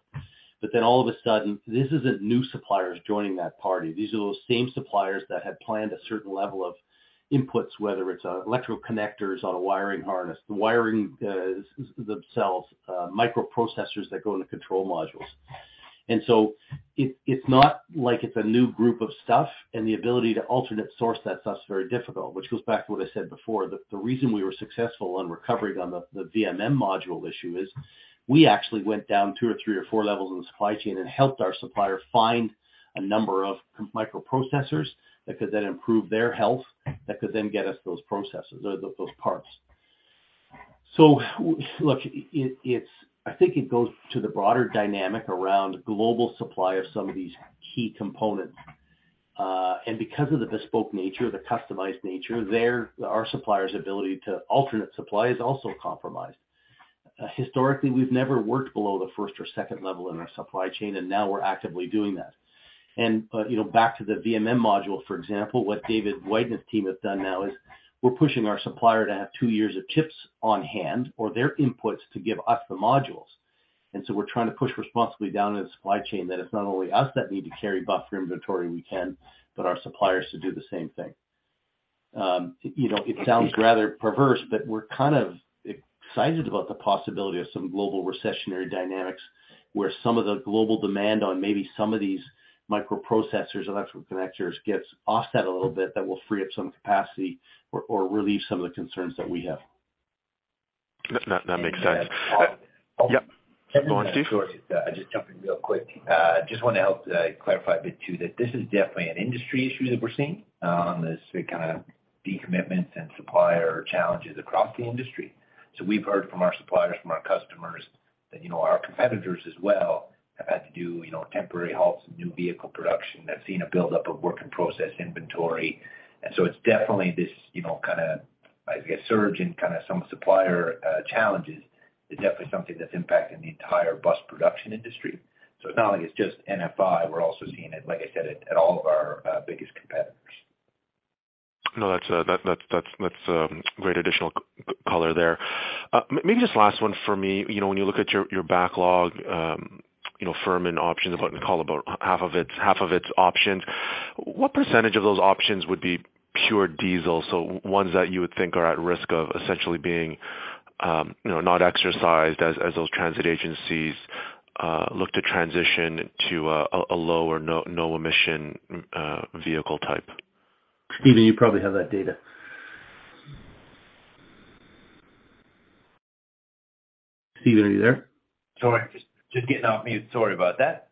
All of a sudden, this isn't new suppliers joining that party. These are those same suppliers that had planned a certain level of inputs, whether it's electrical connectors on a wiring harness, the wiring themselves, microprocessors that go into control modules. It's not like it's a new group of stuff and the ability to alternate source that stuff's very difficult, which goes back to what I said before. The reason we were successful on recovering on the VCM module issue is we actually went down two or three or four levels in the supply chain and helped our supplier find a number of microprocessors that could then improve their health, that could then get us those processors or those parts. Look, I think it goes to the broader dynamic around global supply of some of these key components. Because of the bespoke nature, the customized nature, our supplier's ability to alternate supply is also compromised. Historically, we've never worked below the first or second level in our supply chain, and now we're actively doing that. You know, back to the VCM module, for example, what David White and his team have done now is we're pushing our supplier to have 2 years of chips on hand or their inputs to give us the modules. We're trying to push responsibly down in the supply chain that it's not only us that need to carry buffer inventory, we can, but our suppliers to do the same thing. You know, it sounds rather perverse, but we're kind of excited about the possibility of some global recessionary dynamics where some of the global demand on maybe some of these microprocessors, electrical connectors gets offset a little bit that will free up some capacity or relieve some of the concerns that we have. That makes sense. Paul. Yeah. Go on, Steve. Kevin and Sorry, just jump in real quick. Just want to help clarify a bit too, that this is definitely an industry issue that we're seeing, with decommitments and supplier challenges across the industry. We've heard from our suppliers, from our customers that, you know, our competitors as well have had to do, you know, temporary halts in new vehicle production. They've seen a buildup of work in process inventory. It's definitely this, you know, kind of, I guess, surge in kind of some supplier challenges is definitely something that's impacting the entire bus production industry. It's not like it's just NFI. We're also seeing it, like I said, at all of our biggest competitors. No, that's great additional color there. Maybe just last one for me. You know, when you look at your backlog, you know, firm and options, about—call it about half of it—half of it's options, what percentage of those options would be pure diesel? So ones that you would think are at risk of essentially being, you know, not exercised as those transit agencies look to transition to a low- or no-emission vehicle type. Stephen, you probably have that data. Stephen, are you there? Sorry, just getting off mute. Sorry about that.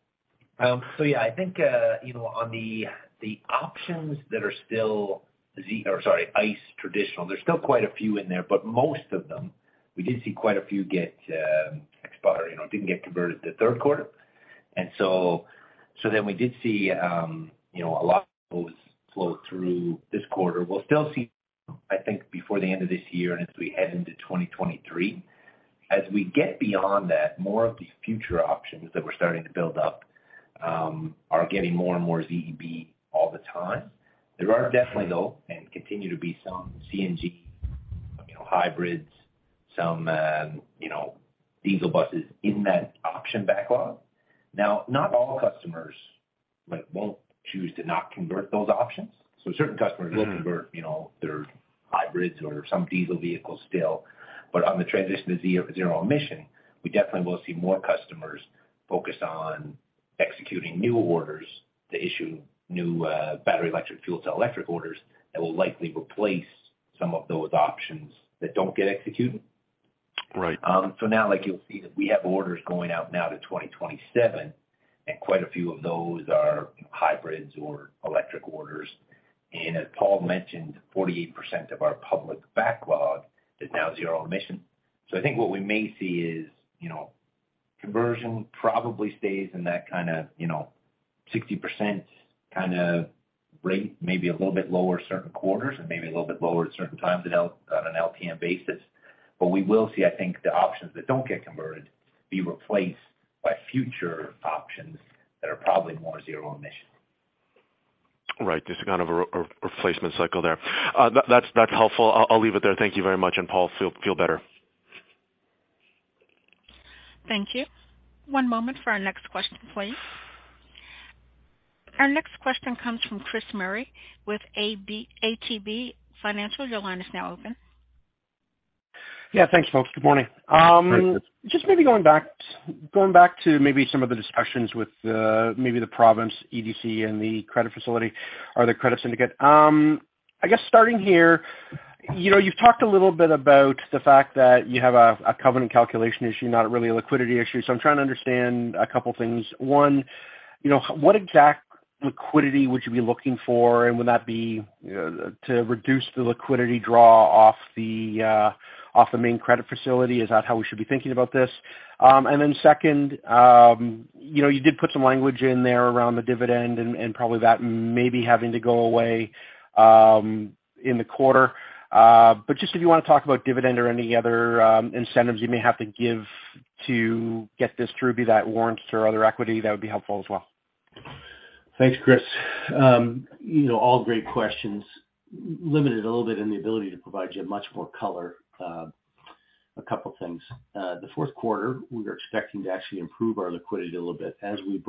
Yeah, I think you know, on the options that are still ICE traditional, there's still quite a few in there, but most of them, we did see quite a few get expunged, you know, didn't get converted to the third quarter. Then we did see you know, a lot of those flow through this quarter. We'll still see, I think, before the end of this year and as we head into 2023. As we get beyond that, more of these future options that we're starting to build up are getting more and more ZEB all the time. There are definitely, though, and continue to be some CNG, you know, hybrids, some you know, diesel buses in that option backlog. Now, not all customers, like, won't choose to not convert those options. Certain customers will convert, you know, their hybrids or some diesel vehicles still. On the transition to zero emission, we definitely will see more customers focused on executing new orders to issue new battery electric fuel to electric orders that will likely replace some of those options that don't get executed. Right. Now, like you'll see that we have orders going out now to 2027, and quite a few of those are hybrids or electric orders. As Paul mentioned, 48% of our public backlog is now zero emission. I think what we may see is, you know, conversion probably stays in that kind of, you know, 60% kinda rate, maybe a little bit lower certain quarters and maybe a little bit lower at certain times on an LTM basis. We will see, I think, the options that don't get converted be replaced by future options that are probably more zero emission. Right. Just a kind of a replacement cycle there. That's helpful. I'll leave it there. Thank you very much. Paul, feel better. Thank you. One moment for our next question, please. Our next question comes from Chris Murray with ATB Financial. Your line is now open. Yeah, thanks, folks. Good morning. Hi, Chris. Just maybe going back to some of the discussions with the province, EDC, and the credit facility or the credit syndicate. I guess starting here, you know, you've talked a little bit about the fact that you have a covenant calculation issue, not really a liquidity issue. I'm trying to understand a couple things. One, you know, what exact liquidity would you be looking for, and would that be, you know, to reduce the liquidity draw off the main credit facility? Is that how we should be thinking about this? Second, you know, you did put some language in there around the dividend and probably that maybe having to go away in the quarter. Just if you wanna talk about dividend or any other incentives you may have to give to get this through, be that warrants or other equity, that would be helpful as well. Thanks, Chris. You know, all great questions. Limited a little bit in the ability to provide you much more color. A couple things. The fourth quarter, we are expecting to actually improve our liquidity a little bit as we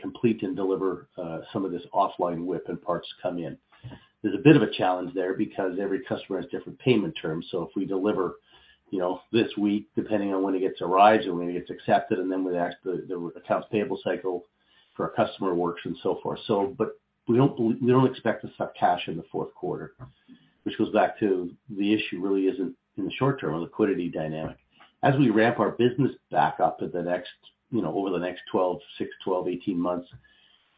complete and deliver some of this offline WIP and parts come in. There's a bit of a challenge there because every customer has different payment terms. If we deliver, you know, this week, depending on when it gets arrived and when it gets accepted, and then how the accounts payable cycle for our customer works and so forth. We don't expect to suck cash in the fourth quarter, which goes back to the issue really isn't in the short term a liquidity dynamic. As we ramp our business back up over the next 6, 12, 18 months,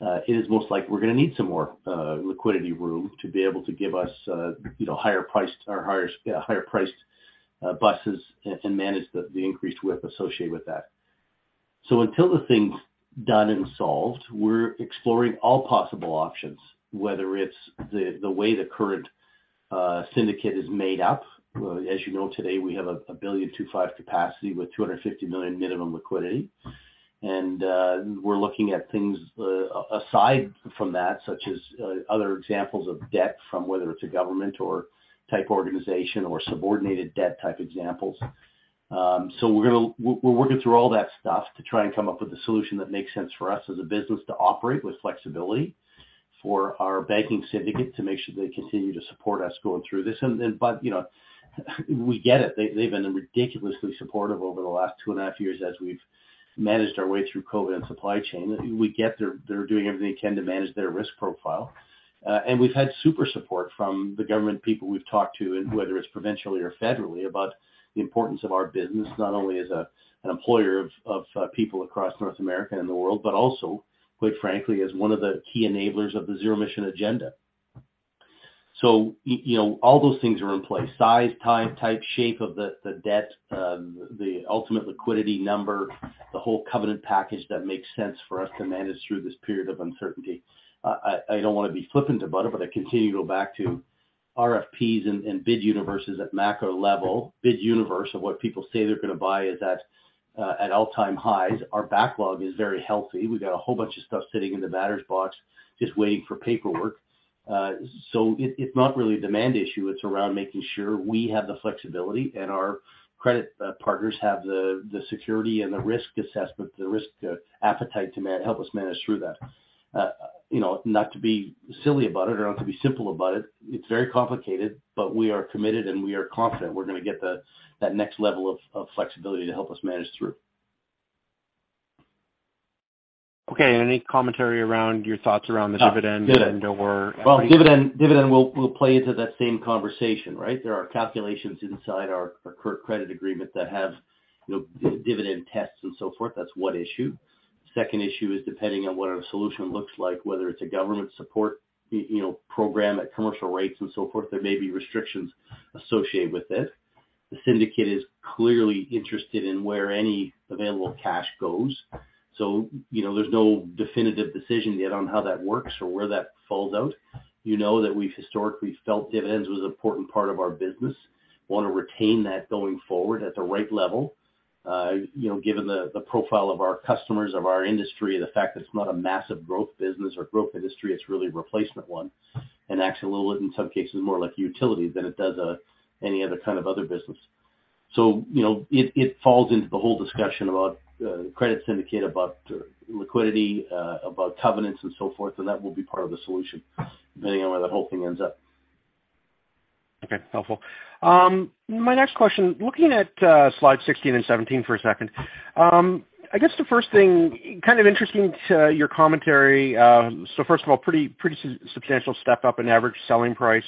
it is most likely we're gonna need some more liquidity headroom to be able to give us, you know, higher priced or higher priced buses and manage the increased width associated with that. Until the thing's done and solved, we're exploring all possible options, whether it's the way the current syndicate is made up. As you know, today, we have a $1.25 billion capacity with $250 million minimum liquidity. We're looking at things aside from that, such as other examples of debt from whether it's a government-type organization or subordinated debt-type examples. We're working through all that stuff to try and come up with a solution that makes sense for us as a business to operate with flexibility for our banking syndicate, to make sure they continue to support us going through this. You know, we get it. They've been ridiculously supportive over the last two and a half years as we've managed our way through COVID and supply chain. We get they're doing everything they can to manage their risk profile. We've had super support from the government people we've talked to and whether it's provincially or federally, about the importance of our business, not only as an employer of people across North America and the world, but also, quite frankly, as one of the key enablers of the zero-emission agenda. You know, all those things are in play, size, time, type, shape of the debt, the ultimate liquidity number, the whole covenant package that makes sense for us to manage through this period of uncertainty. I don't wanna be flippant about it, but I continue to go back to RFPs and bid universes at macro level. Bid universe of what people say they're gonna buy is at all-time highs. Our backlog is very healthy. We've got a whole bunch of stuff sitting in the batter's box just waiting for paperwork. It, it's not really a demand issue. It's around making sure we have the flexibility and our credit partners have the security and the risk assessment, the risk appetite to help us manage through that. You know, not to be silly about it or not to be simple about it's very complicated, but we are committed and we are confident we're gonna get that next level of flexibility to help us manage through. Okay, any commentary around your thoughts around the dividend? Dividend and/or equity? Well, dividend will play into that same conversation, right? There are calculations inside our current credit agreement that have, you know, dividend tests and so forth. That's one issue. Second issue is depending on what our solution looks like, whether it's a government support, you know, program at commercial rates and so forth, there may be restrictions associated with it. The syndicate is clearly interested in where any available cash goes. You know, there's no definitive decision yet on how that works or where that falls out. You know that we've historically felt dividends was an important part of our business, wanna retain that going forward at the right level, you know, given the profile of our customers, of our industry, the fact that it's not a massive growth business or growth industry, it's really a replacement one, and actually will look in some cases more like utility than it does, any other kind of business. You know, it falls into the whole discussion about credit syndicate, about liquidity, about covenants and so forth, and that will be part of the solution, depending on where the whole thing ends up. Okay. Helpful. My next question, looking at slide 16 and 17 for a second. I guess the first thing, kind of interesting to your commentary. So first of all, pretty substantial step up in average selling price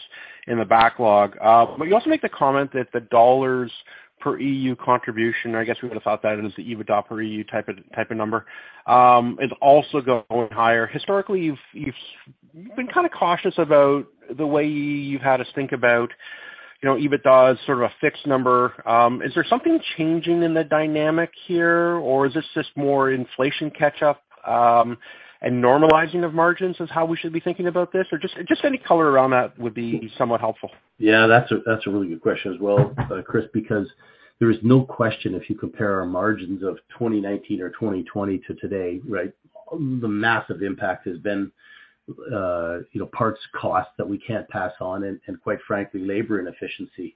in the backlog. But you also make the comment that the dollars per EU contribution, I guess we would have thought that as the EBITDA per EU type of number, is also going higher. Historically, you've been kinda cautious about the way you've had us think about, you know, EBITDA as sort of a fixed number. Is there something changing in the dynamic here, or is this just more inflation catch up, and normalizing of margins is how we should be thinking about this? Or just any color around that would be somewhat helpful. That's a really good question as well, Chris, because there is no question if you compare our margins of 2019 or 2020 to today, right? The massive impact has been, you know, parts cost that we can't pass on, and quite frankly, labor inefficiency.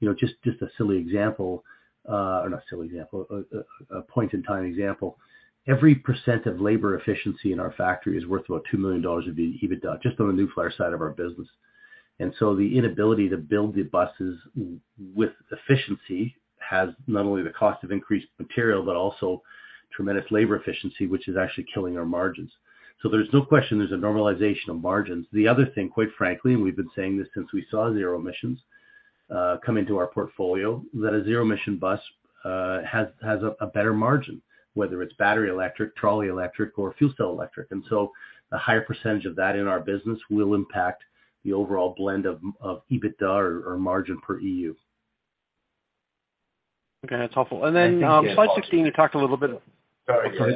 You know, just a silly example, or not silly example, a point in time example. Every percent of labor efficiency in our factory is worth about $2 million of the EBITDA just on the New Flyer side of our business. The inability to build the buses with efficiency has not only the cost of increased material, but also tremendous labor efficiency, which is actually killing our margins. There's no question there's a normalization of margins. The other thing, quite frankly, and we've been saying this since we saw zero-emission come into our portfolio, that a zero-emission bus has a better margin, whether it's battery electric, trolley electric or fuel cell electric. A higher percentage of that in our business will impact the overall blend of EBITDA or margin per EU. Okay, that's helpful. Slide 16, you talked a little bit. Sorry. Sorry.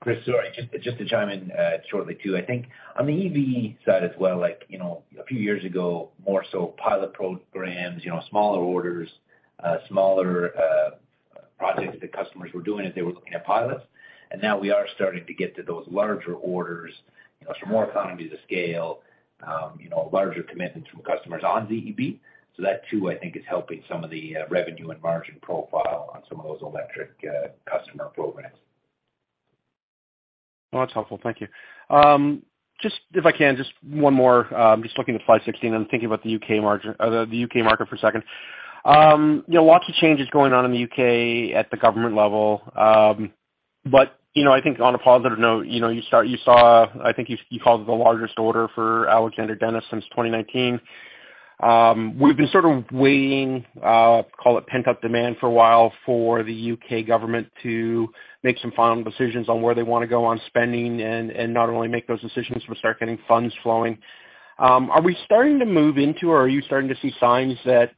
Chris, sorry. Just to chime in shortly too. I think on the EV side as well, like, you know, a few years ago, more so pilot programs, you know, smaller orders, smaller projects that customers were doing as they were looking at pilots. Now we are starting to get to those larger orders, you know, some more economies of scale, you know, larger commitments from customers on ZEB. So that too, I think is helping some of the revenue and margin profile on some of those electric customer programs. Well, that's helpful. Thank you. Just if I can, just one more. Just looking at slide 16, I'm thinking about the UK margin, the UK market for a second. You know, lots of changes going on in the UK at the government level. But, you know, I think on a positive note, you know, you saw, I think you called it the largest order for Alexander Dennis since 2019. We've been sort of waiting, call it pent-up demand for a while for the UK government to make some final decisions on where they wanna go on spending and not only make those decisions, but start getting funds flowing. Are we starting to move into, or are you starting to see signs that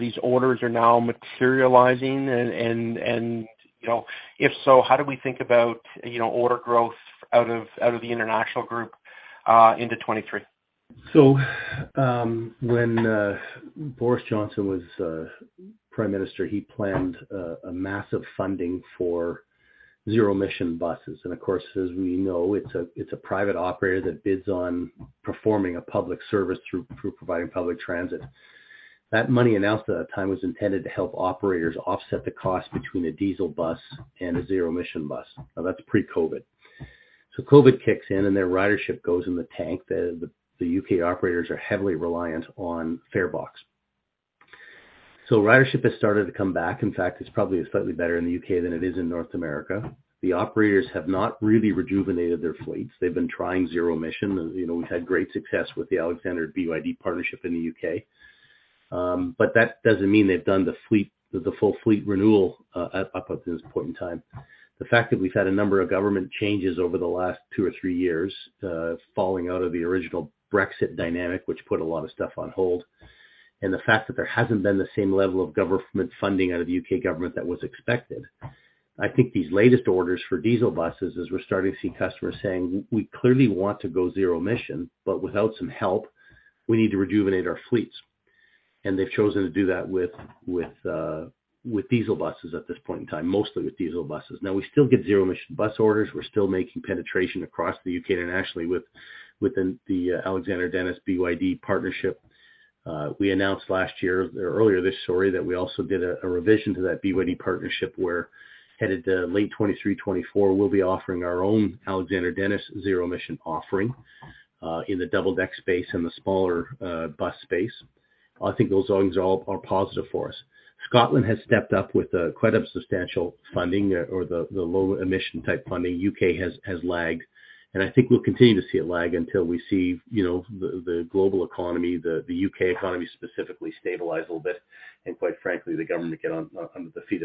these orders are now materializing? You know, if so, how do we think about, you know, order growth out of the international group into 2023? When Boris Johnson was Prime Minister, he planned a massive funding for zero-emission buses. Of course, as we know, it's a private operator that bids on performing a public service through providing public transit. That money announced at that time was intended to help operators offset the cost between a diesel bus and a zero-emission bus. Now, that's pre-COVID. COVID kicks in and their ridership goes in the tank. The U.K. operators are heavily reliant on farebox. Ridership has started to come back. In fact, it's probably slightly better in the U.K. than it is in North America. The operators have not really rejuvenated their fleets. They've been trying zero-emission. You know, we've had great success with the BYD–Alexander Dennis partnership in the U.K. That doesn't mean they've done the fleet, the full fleet renewal, up until this point in time. The fact that we've had a number of government changes over the last two or three years, falling out of the original Brexit dynamic, which put a lot of stuff on hold, and the fact that there hasn't been the same level of government funding out of the UK government that was expected. I think these latest orders for diesel buses is we're starting to see customers saying, "We clearly want to go zero emission, but without some help, we need to rejuvenate our fleets." They've chosen to do that with diesel buses at this point in time, mostly with diesel buses. Now, we still get zero emission bus orders. We're still making penetration across the UK and internationally with within the Alexander Dennis BYD partnership. We announced last year or earlier this year that we also did a revision to that BYD partnership, where we're headed to late 2023, 2024, we'll be offering our own Alexander Dennis zero-emission offering in the double deck space and the smaller bus space. I think those things are positive for us. Scotland has stepped up with quite a substantial funding for the low-emission-type funding. UK has lagged, and I think we'll continue to see it lag until we see the global economy, the UK economy specifically stabilize a little bit, and quite frankly, the government get on its feet.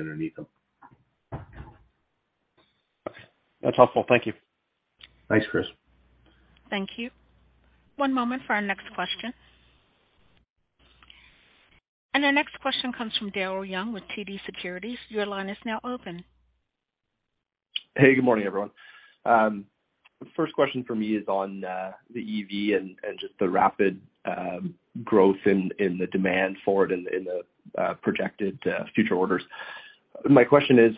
That's helpful. Thank you. Thanks, Chris. Thank you. One moment for our next question. Our next question comes from Daryl Young with TD Securities. Your line is now open. Hey, good morning, everyone. First question for me is on the EV and just the rapid growth in the demand for it in the projected future orders. My question is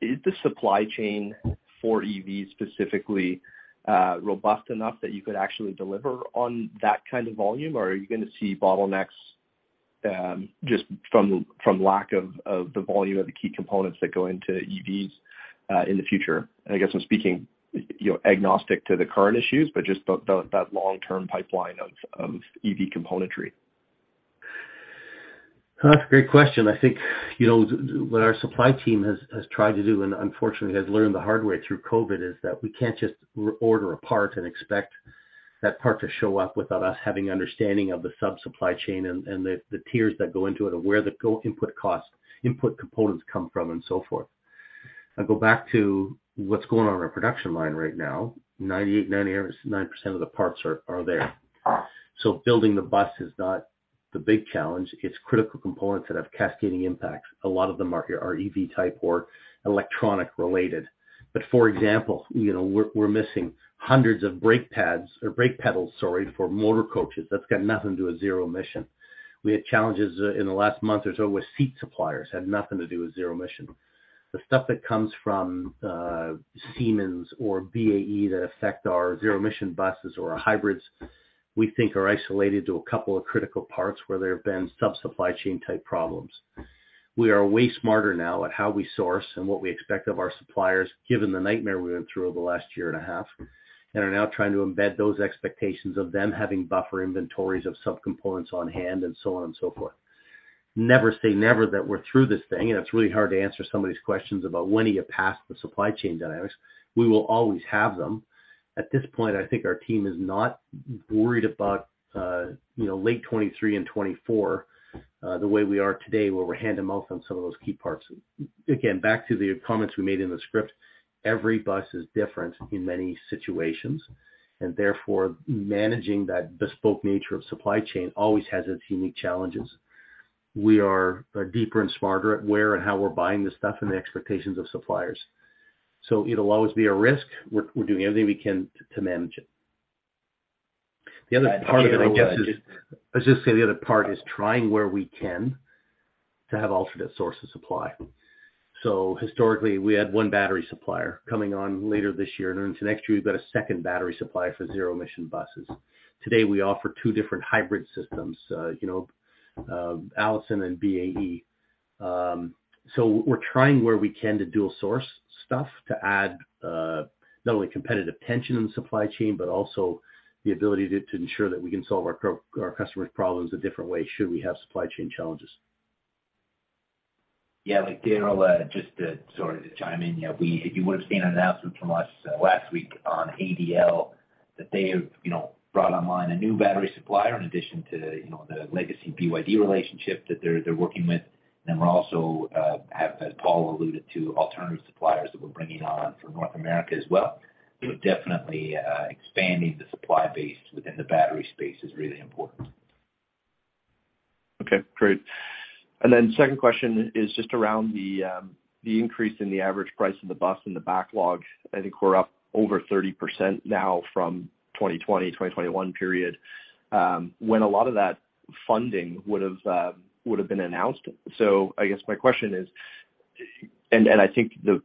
the supply chain for EVs specifically robust enough that you could actually deliver on that kind of volume? Or are you gonna see bottlenecks just from lack of the volume of the key components that go into EVs in the future? I guess I'm speaking, you know, agnostic to the current issues, but just that long-term pipeline of EV componentry. That's a great question. I think, you know, what our supply team has tried to do, and unfortunately has learned the hard way through COVID, is that we can't just re-order a part and expect that part to show up without us having understanding of the sub-supply chain and the tiers that go into it or where the input costs, input components come from and so forth. I go back to what's going on in our production line right now. 98.9% of the parts are there. So building the bus is not the big challenge. It's critical components that have cascading impacts. A lot of them are EV type or electronic related. But for example, you know, we're missing hundreds of brake pads or brake pedals, sorry, for motor coaches. That's got nothing to do with zero emission. We had challenges in the last month or so with seat suppliers. Had nothing to do with zero-emission. The stuff that comes from Siemens or BAE that affect our zero-emission buses or our hybrids, we think are isolated to a couple of critical parts where there have been sub-supply chain type problems. We are way smarter now at how we source and what we expect of our suppliers, given the nightmare we went through over the last year and a half, and are now trying to embed those expectations of them having buffer inventories of subcomponents on hand and so on and so forth. Never say never that we're through this thing, and it's really hard to answer some of these questions about when are you past the supply chain dynamics. We will always have them. At this point, I think our team is not worried about, you know, late 2023 and 2024, the way we are today, where we're hand-to-mouth on some of those key parts. Again, back to the comments we made in the script, every bus is different in many situations, and therefore managing that bespoke nature of supply chain always has its unique challenges. We are deeper and smarter at where and how we're buying this stuff and the expectations of suppliers. It'll always be a risk. We're doing everything we can to manage it. The other part of it, I guess, is. I was just gonna say the other part is trying where we can to have alternate sources supply. Historically, we had one battery supplier coming on later this year and into next year, we've got a second battery supplier for zero-emission buses. Today, we offer two different hybrid systems, you know, Allison and BAE. We're trying where we can to dual source stuff to add not only competitive tension in the supply chain, but also the ability to ensure that we can solve our customers' problems a different way should we have supply chain challenges. Yeah. Like Daryl, just to, sorry, chime in, you know, if you would've seen an announcement from us last week on ADL, that they have, you know, brought online a new battery supplier in addition to, you know, the legacy BYD relationship that they're working with. Then we're also have as Paul alluded to alternative suppliers that we're bringing on from North America as well. Definitely, expanding the supply base within the battery space is really important. Okay, great. Second question is just around the increase in the average price of the bus and the backlog. I think we're up over 30% now from 2020, 2021 period, when a lot of that funding would've been announced. I guess my question is, and I think the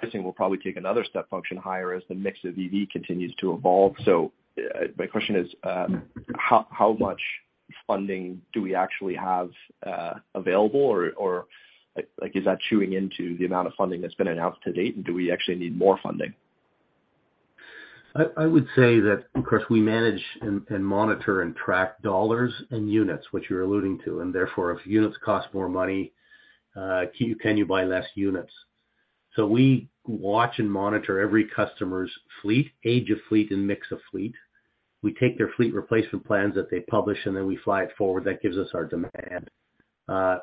pricing will probably take another step function higher as the mix of EV continues to evolve. My question is, how much funding do we actually have available or like is that chewing into the amount of funding that's been announced to date? Do we actually need more funding? I would say that, of course, we manage and monitor and track dollars and units, which you're alluding to, and therefore if units cost more money, can you buy less units? We watch and monitor every customer's fleet, age of fleet and mix of fleet. We take their fleet replacement plans that they publish, and then we fly it forward. That gives us our demand.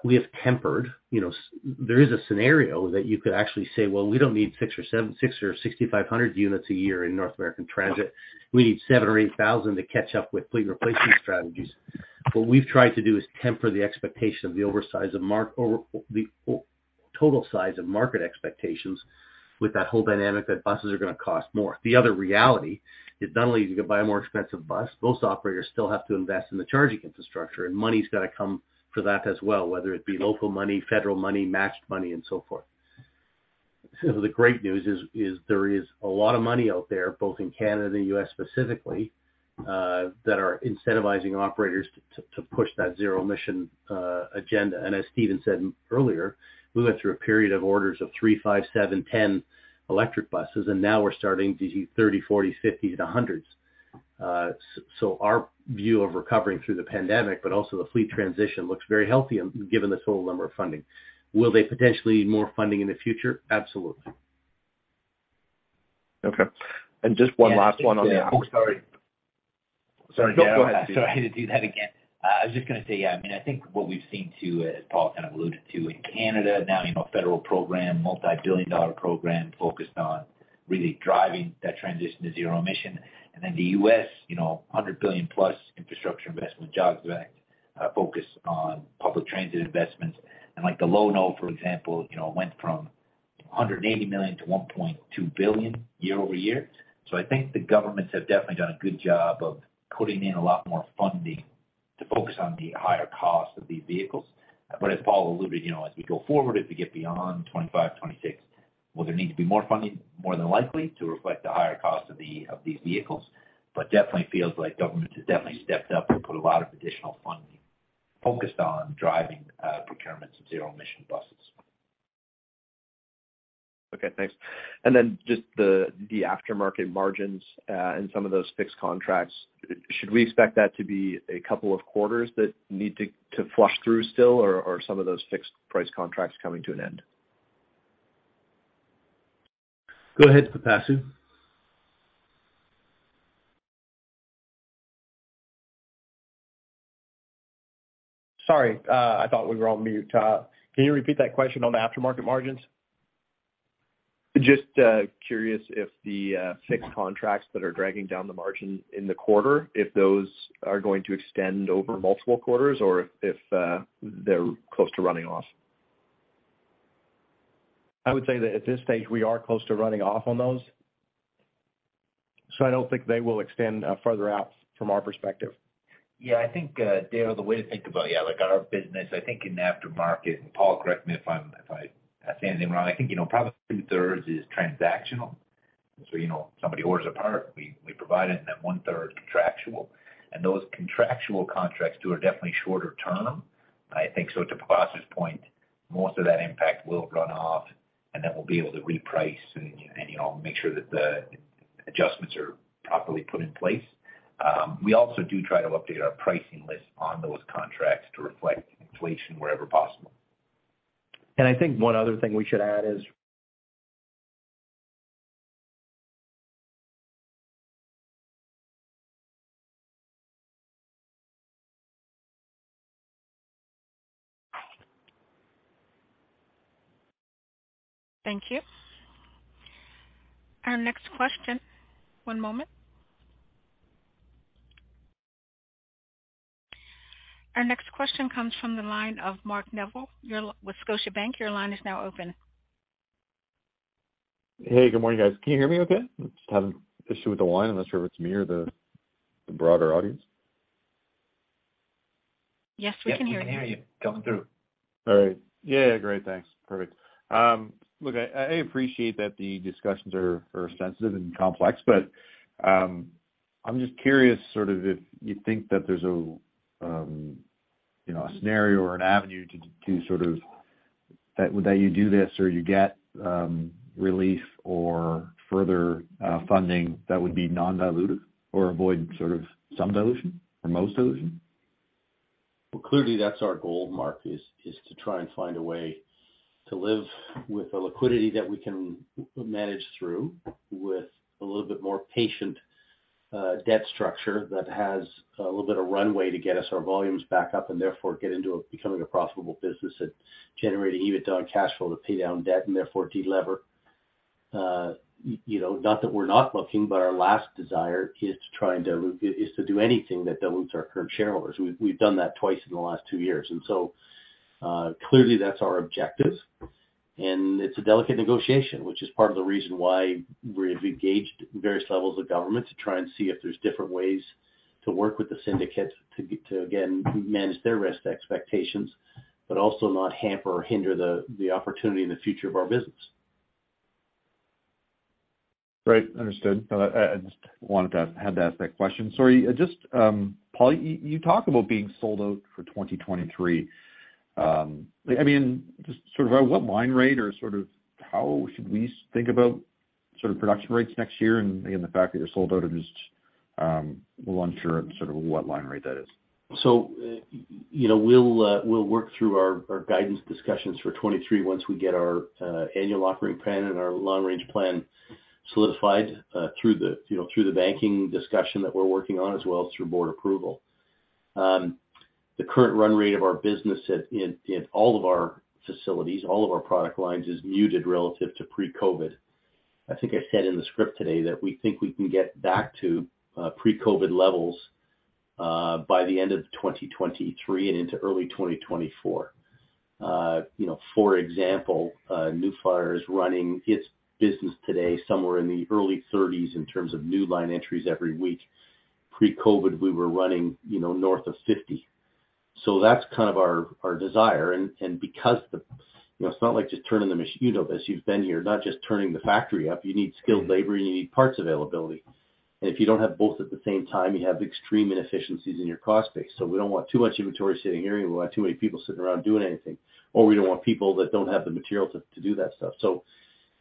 We have tempered. There is a scenario that you could actually say, "Well, we don't need 6 or 7, or 6,500 units a year in North American transit. We need 7,000 or 8,000 to catch up with fleet replacement strategies." What we've tried to do is temper the expectation of over the total size of market expectations with that whole dynamic that buses are gonna cost more. The other reality is not only do you go buy a more expensive bus, those operators still have to invest in the charging infrastructure, and money's gotta come for that as well, whether it be local money, federal money, matched money and so forth. The great news is there is a lot of money out there, both in Canada and U.S. specifically, that are incentivizing operators to push that zero emission agenda. As Stephen said earlier, we went through a period of orders of 3, 5, 7, 10 electric buses, and now we're starting to see 30, 40, 50 to hundreds. So our view of recovering through the pandemic, but also the fleet transition looks very healthy, given the total number of funding. Will they potentially need more funding in the future? Absolutely. Okay. Just one last one on the- Oh, sorry. Sorry. Go ahead. Sorry to do that again. I was just gonna say, I mean, I think what we've seen too, as Paul kind of alluded to in Canada now, you know, federal program, multi-billion dollar program focused on really driving that transition to zero-emission. Then the US, you know, $100 billion-plus Infrastructure Investment and Jobs Act, focused on public transit investments. Like the Low-No, for example, you know, went from $180 million to $1.2 billion year-over-year. I think the governments have definitely done a good job of putting in a lot more funding to focus on the higher cost of these vehicles. As Paul alluded, you know, as we go forward, as we get beyond 2025, 2026, will there need to be more funding? More than likely to reflect the higher cost of these vehicles. Definitely feels like government has definitely stepped up and put a lot of additional funding focused on driving procurements of zero-emission buses. Okay, thanks. Then just the aftermarket margins, and some of those fixed contracts, should we expect that to be a couple of quarters that need to flush through still or some of those fixed price contracts coming to an end? Go ahead, Pipasu. Sorry, I thought we were on mute. Can you repeat that question on the aftermarket margins? Just curious if the fixed contracts that are dragging down the margin in the quarter, if those are going to extend over multiple quarters or if they're close to running off? I would say that at this stage, we are close to running off on those, so I don't think they will extend further out from our perspective. Yeah. I think, Daryl, the way to think about, yeah, like our business, I think in aftermarket, and Paul, correct me if I say anything wrong, I think, you know, probably two-thirds is transactional. You know, somebody orders a part, we provide it, and then one-third contractual. Those contractual contracts too are definitely shorter term. I think, so to Paul's point, most of that impact will run off, and then we'll be able to reprice and, you know, make sure that the adjustments are properly put in place. We also do try to update our pricing list on those contracts to reflect inflation wherever possible. I think one other thing we should add is. Thank you. Our next question. One moment. Our next question comes from the line of Mark Neville. You're live with Scotiabank. Your line is now open. Hey, good morning, guys. Can you hear me okay? I'm just having an issue with the line. I'm not sure if it's me or the broader audience. Yes, we can hear you. Yes, we can hear you. Coming through. All right. Yeah, great. Thanks. Perfect. Look, I appreciate that the discussions are sensitive and complex, but I'm just curious sort of if you think that there's a you know, a scenario or an avenue to sort of that you do this or you get relief or further funding that would be non-dilutive or avoid sort of some dilution or most dilution? Well, clearly that's our goal, Mark, is to try and find a way to live with a liquidity that we can manage through with a little bit more patient debt structure that has a little bit of runway to get us our volumes back up, and therefore get into becoming a profitable business and generating EBITDA and cash flow to pay down debt and therefore de-lever. You know, not that we're not looking, but our last desire is to do anything that dilutes our current shareholders. We've done that twice in the last two years. Clearly that's our objective, and it's a delicate negotiation, which is part of the reason why we've engaged various levels of government to try and see if there's different ways to work with the syndicate to get to, again, manage their risk expectations, but also not hamper or hinder the opportunity and the future of our business. Right. Understood. I had to ask that question. Sorry, just, Paul, you talk about being sold out for 2023. I mean, just sort of at what line rate or sort of how should we think about sort of production rates next year and the fact that you're sold out? I'm just a little unsure at sort of what line rate that is. We'll work through our guidance discussions for 2023 once we get our annual operating plan and our long-range plan solidified through the, you know, through the banking discussion that we're working on as well as through board approval. The current run rate of our business in all of our facilities, all of our product lines, is muted relative to pre-COVID. I think I said in the script today that we think we can get back to pre-COVID levels by the end of 2023 and into early 2024. You know, for example, New Flyer is running its business today somewhere in the early 30s in terms of new line entries every week. Pre-COVID, we were running, you know, north of 50. That's kind of our desire and because the You know, it's not like just you know this, you've been here, not just turning the factory up. You need skilled labor, you need parts availability. If you don't have both at the same time, you have extreme inefficiencies in your cost base. We don't want too much inventory sitting here, and we don't want too many people sitting around doing anything. We don't want people that don't have the material to do that stuff.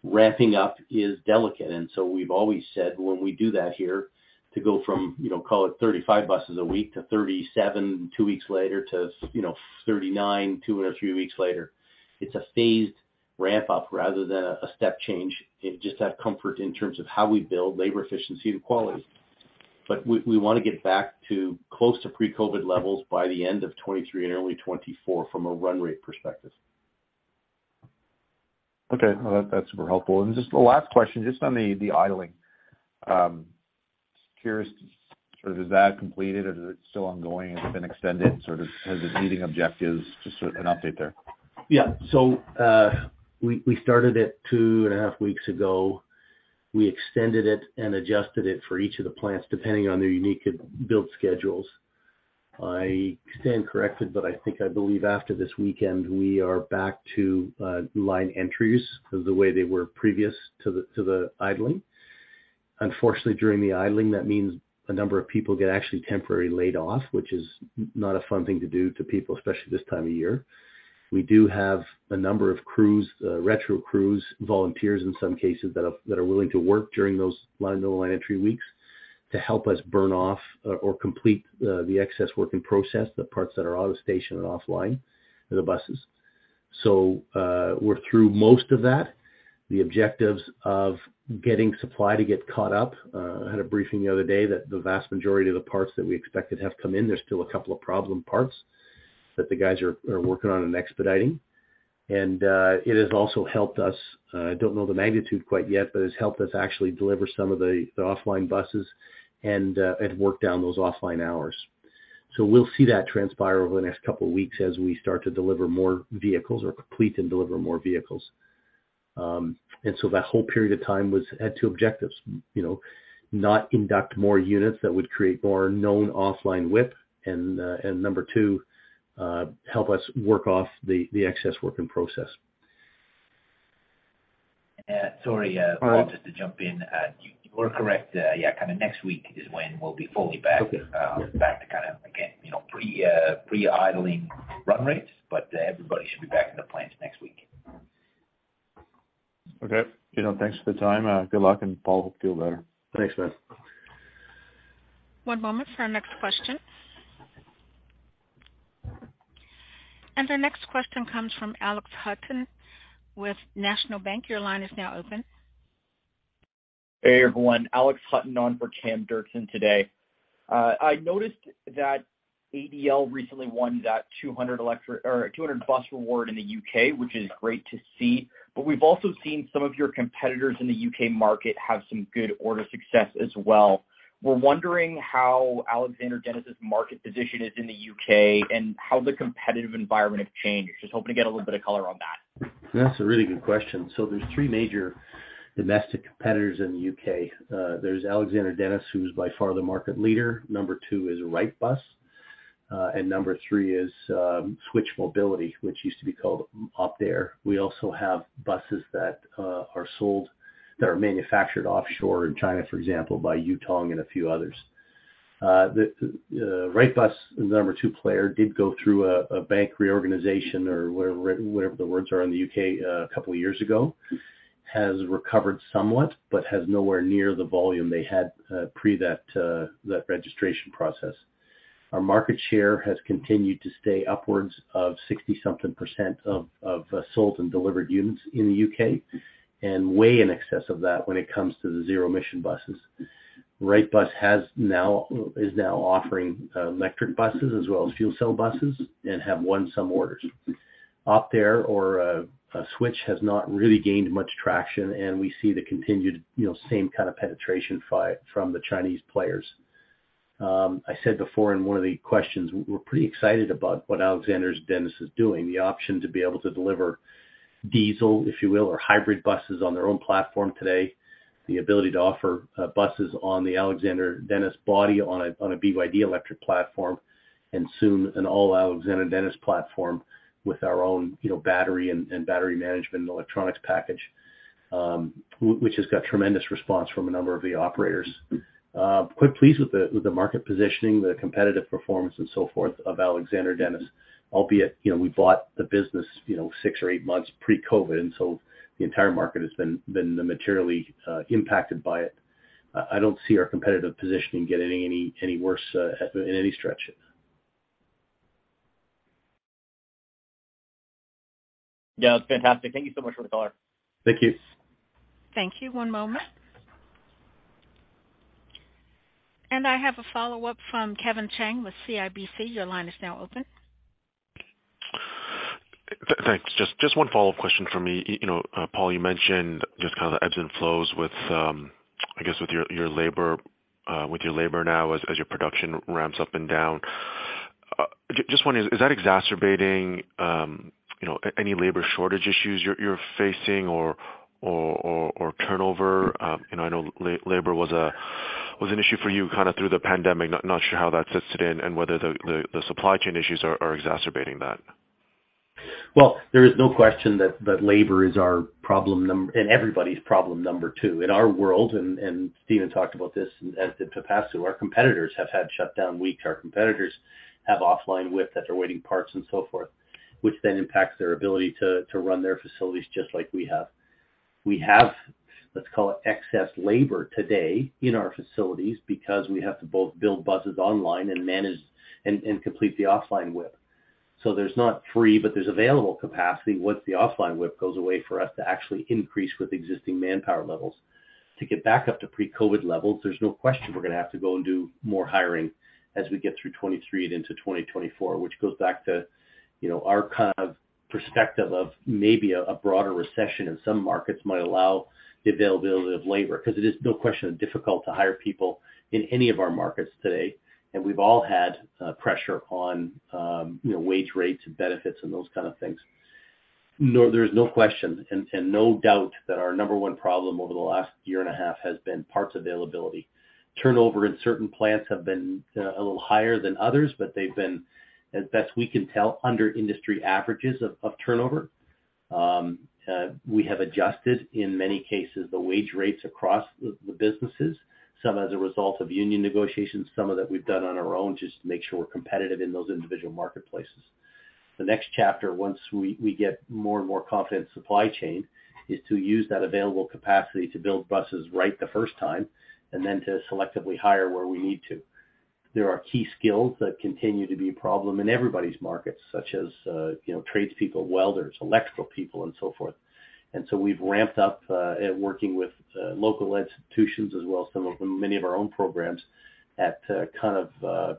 Ramping up is delicate. We've always said when we do that here to go from, you know, call it 35 buses a week to 37 two weeks later to, you know, 39 two and a few weeks later. It's a phased ramp-up rather than a step change. It just has comfort in terms of how we build labor efficiency and quality. We wanna get back to close to pre-COVID levels by the end of 2023 and early 2024 from a run rate perspective. Okay. No, that's super helpful. Just the last question, just on the idling. Curious sort of is that completed or is it still ongoing? Has it been extended sort of? Has it meeting objectives? Just sort of an update there. Yeah. We started it two and a half weeks ago. We extended it and adjusted it for each of the plants, depending on their unique build schedules. I stand corrected, but I think I believe after this weekend, we are back to line entries of the way they were previous to the idling. Unfortunately, during the idling, that means a number of people get actually temporarily laid off, which is not a fun thing to do to people, especially this time of year. We do have a number of crews, retro crews, volunteers in some cases, that are willing to work during those line no line entry weeks to help us burn off or complete the excess work in process, the parts that are out of station and offline of the buses. We're through most of that. The objectives of getting supply to get caught up. I had a briefing the other day that the vast majority of the parts that we expected have come in. There's still a couple of problem parts that the guys are working on and expediting. It has also helped us. I don't know the magnitude quite yet, but it's helped us actually deliver some of the offline buses and work down those offline hours. We'll see that transpire over the next couple of weeks as we start to deliver more vehicles or complete and deliver more vehicles. That whole period of time had two objectives. You know, not induct more units that would create more known offline WIP, and number two, help us work off the excess work in process. Sorry, Paul, just to jump in. You were correct. Yeah, kind of next week is when we'll be fully back. Okay. Back to kind of again, you know, pre-idling run rates, but everybody should be back in the plants next week. Okay. You know, thanks for the time. Good luck, and Paul, hope feel better. Thanks, man. One moment for our next question. Our next question comes from Alex Hutton with National Bank. Your line is now open. Hey, everyone. Alex Hutton on for Cameron Doerksen today. I noticed that ADL recently won that 200 bus award in the U.K., which is great to see. We've also seen some of your competitors in the U.K. market have some good order success as well. We're wondering how Alexander Dennis' market position is in the U.K. and how the competitive environment has changed. Just hoping to get a little bit of color on that. That's a really good question. There's three major domestic competitors in the U.K. There's Alexander Dennis, who's by far the market leader. Number two is Wrightbus. Number three is Switch Mobility, which used to be called Optare. We also have buses that are sold, that are manufactured offshore in China, for example, by Yutong and a few others. The Wrightbus, the number two player, did go through a bank reorganization or whatever the words are in the U.K. a couple of years ago, has recovered somewhat, but has nowhere near the volume they had pre that administration process. Our market share has continued to stay upwards of 60-something% of sold and delivered units in the U.K., and way in excess of that when it comes to the zero-emission buses. Wrightbus is now offering electric buses as well as fuel cell buses and have won some orders. Optare or Switch has not really gained much traction, and we see the continued, you know, same kind of penetration from the Chinese players. I said before in one of the questions, we're pretty excited about what Alexander Dennis is doing, the option to be able to deliver diesel, if you will, or hybrid buses on their own platform today, the ability to offer buses on the Alexander Dennis body on a BYD electric platform, and soon an all Alexander Dennis platform with our own, you know, battery and battery management and electronics package, which has got tremendous response from a number of the operators. Quite pleased with the market positioning, the competitive performance and so forth of Alexander Dennis, albeit, you know, we bought the business, you know, six or eight months pre-COVID, and so the entire market has been materially impacted by it. I don't see our competitive positioning getting any worse, in any stretch. Yeah. Fantastic. Thank you so much for the color. Thank you. Thank you. One moment. I have a follow-up from Kevin Chiang with CIBC. Your line is now open. Thanks. Just one follow-up question from me. You know, Paul, you mentioned just kind of the ebbs and flows with, I guess, with your labor now as your production ramps up and down. Just wondering, is that exacerbating, you know, any labor shortage issues you're facing or turnover? You know, I know labor was an issue for you kind of through the pandemic. Not sure how that sits today and whether the supply chain issues are exacerbating that. Well, there is no question that labor is our problem and everybody's problem number 2. In our world, and Stephen talked about this and add capacity, our competitors have had shutdown weeks. Our competitors have offline WIP as they're waiting parts and so forth, which then impacts their ability to run their facilities just like we have. We have, let's call it excess labor today in our facilities because we have to both build buses online and manage and complete the offline WIP. There's not free, but there's available capacity once the offline WIP goes away for us to actually increase with existing manpower levels. To get back up to pre-COVID levels, there's no question we're gonna have to go and do more hiring as we get through 2023 and into 2024, which goes back to, you know, our kind of perspective of maybe a broader recession in some markets might allow the availability of labor because it is no question difficult to hire people in any of our markets today. We've all had pressure on, you know, wage rates and benefits and those kind of things. No, there is no question and no doubt that our number one problem over the last year and a half has been parts availability. Turnover in certain plants have been a little higher than others, but they've been, as best we can tell, under industry averages of turnover. We have adjusted, in many cases, the wage rates across the businesses, some as a result of union negotiations, some of that we've done on our own just to make sure we're competitive in those individual marketplaces. The next chapter, once we get more and more confident supply chain, is to use that available capacity to build buses right the first time and then to selectively hire where we need to. There are key skills that continue to be a problem in everybody's markets, such as, you know, tradespeople, welders, electrical people and so forth. We've ramped up at working with local institutions as well as some of many of our own programs at kind of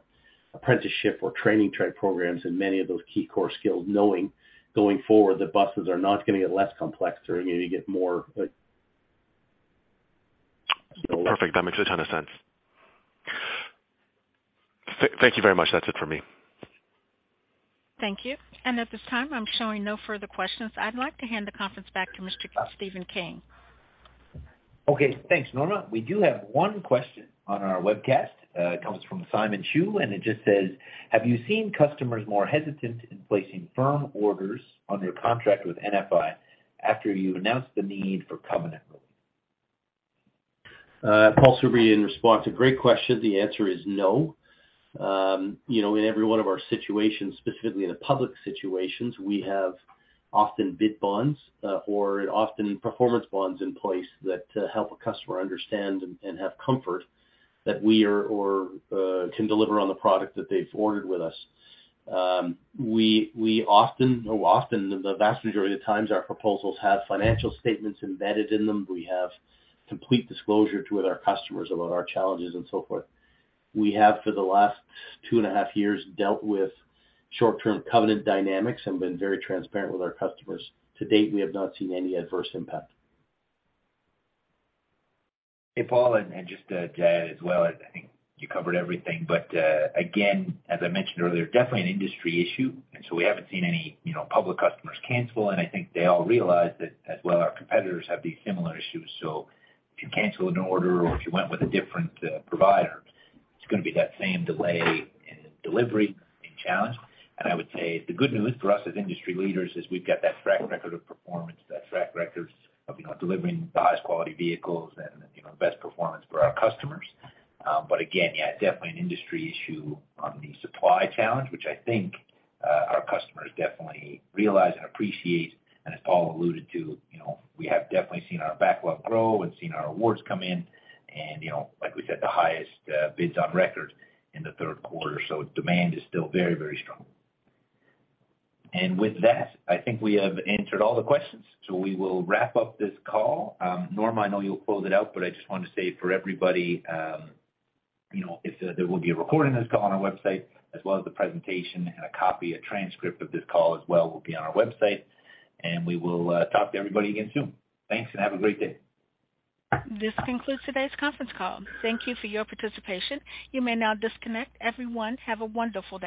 apprenticeship or training trade programs in many of those key core skills, knowing going forward that buses are not gonna get less complex. They're gonna get more, you know. Perfect. That makes a ton of sense. Thank you very much. That's it for me. Thank you. At this time, I'm showing no further questions. I'd like to hand the conference back to Mr. Stephen King. Okay, thanks, Norma. We do have one question on our webcast. It comes from Simon Chu, and it just says: Have you seen customers more hesitant in placing firm orders under contract with NFI after you announced the need for covenant relief? Paul Soubry in response. A great question. The answer is no. You know, in every one of our situations, specifically in the public situations, we have often bid bonds or performance bonds in place that help a customer understand and have comfort that we are or can deliver on the product that they've ordered with us. We often or often the vast majority of times our proposals have financial statements embedded in them. We have complete disclosure to our customers about our challenges and so forth. We have, for the last 2.5 years, dealt with short-term covenant dynamics and been very transparent with our customers. To date, we have not seen any adverse impact. Hey, Paul, just to add as well, I think you covered everything, but again, as I mentioned earlier, definitely an industry issue. We haven't seen any, you know, public customers cancel. I think they all realize that as well, our competitors have these similar issues. If you cancel an order or if you went with a different provider, it's gonna be that same delay in delivery and challenge. I would say the good news for us as industry leaders is we've got that track record of performance. That track record of, you know, delivering the highest quality vehicles and, you know, best performance for our customers. Again, yeah, definitely an industry issue on the supply challenge, which I think our customers definitely realize and appreciate. As Paul alluded to, you know, we have definitely seen our backlog grow and seen our awards come in. You know, like we said, the highest bids on record in the third quarter. Demand is still very, very strong. With that, I think we have answered all the questions, so we will wrap up this call. Norma, I know you'll close it out, but I just wanted to say for everybody, you know, if there will be a recording of this call on our website as well as the presentation and a copy, a transcript of this call as well will be on our website. We will talk to everybody again soon. Thanks, and have a great day. This concludes today's conference call. Thank you for your participation. You may now disconnect. Everyone, have a wonderful day.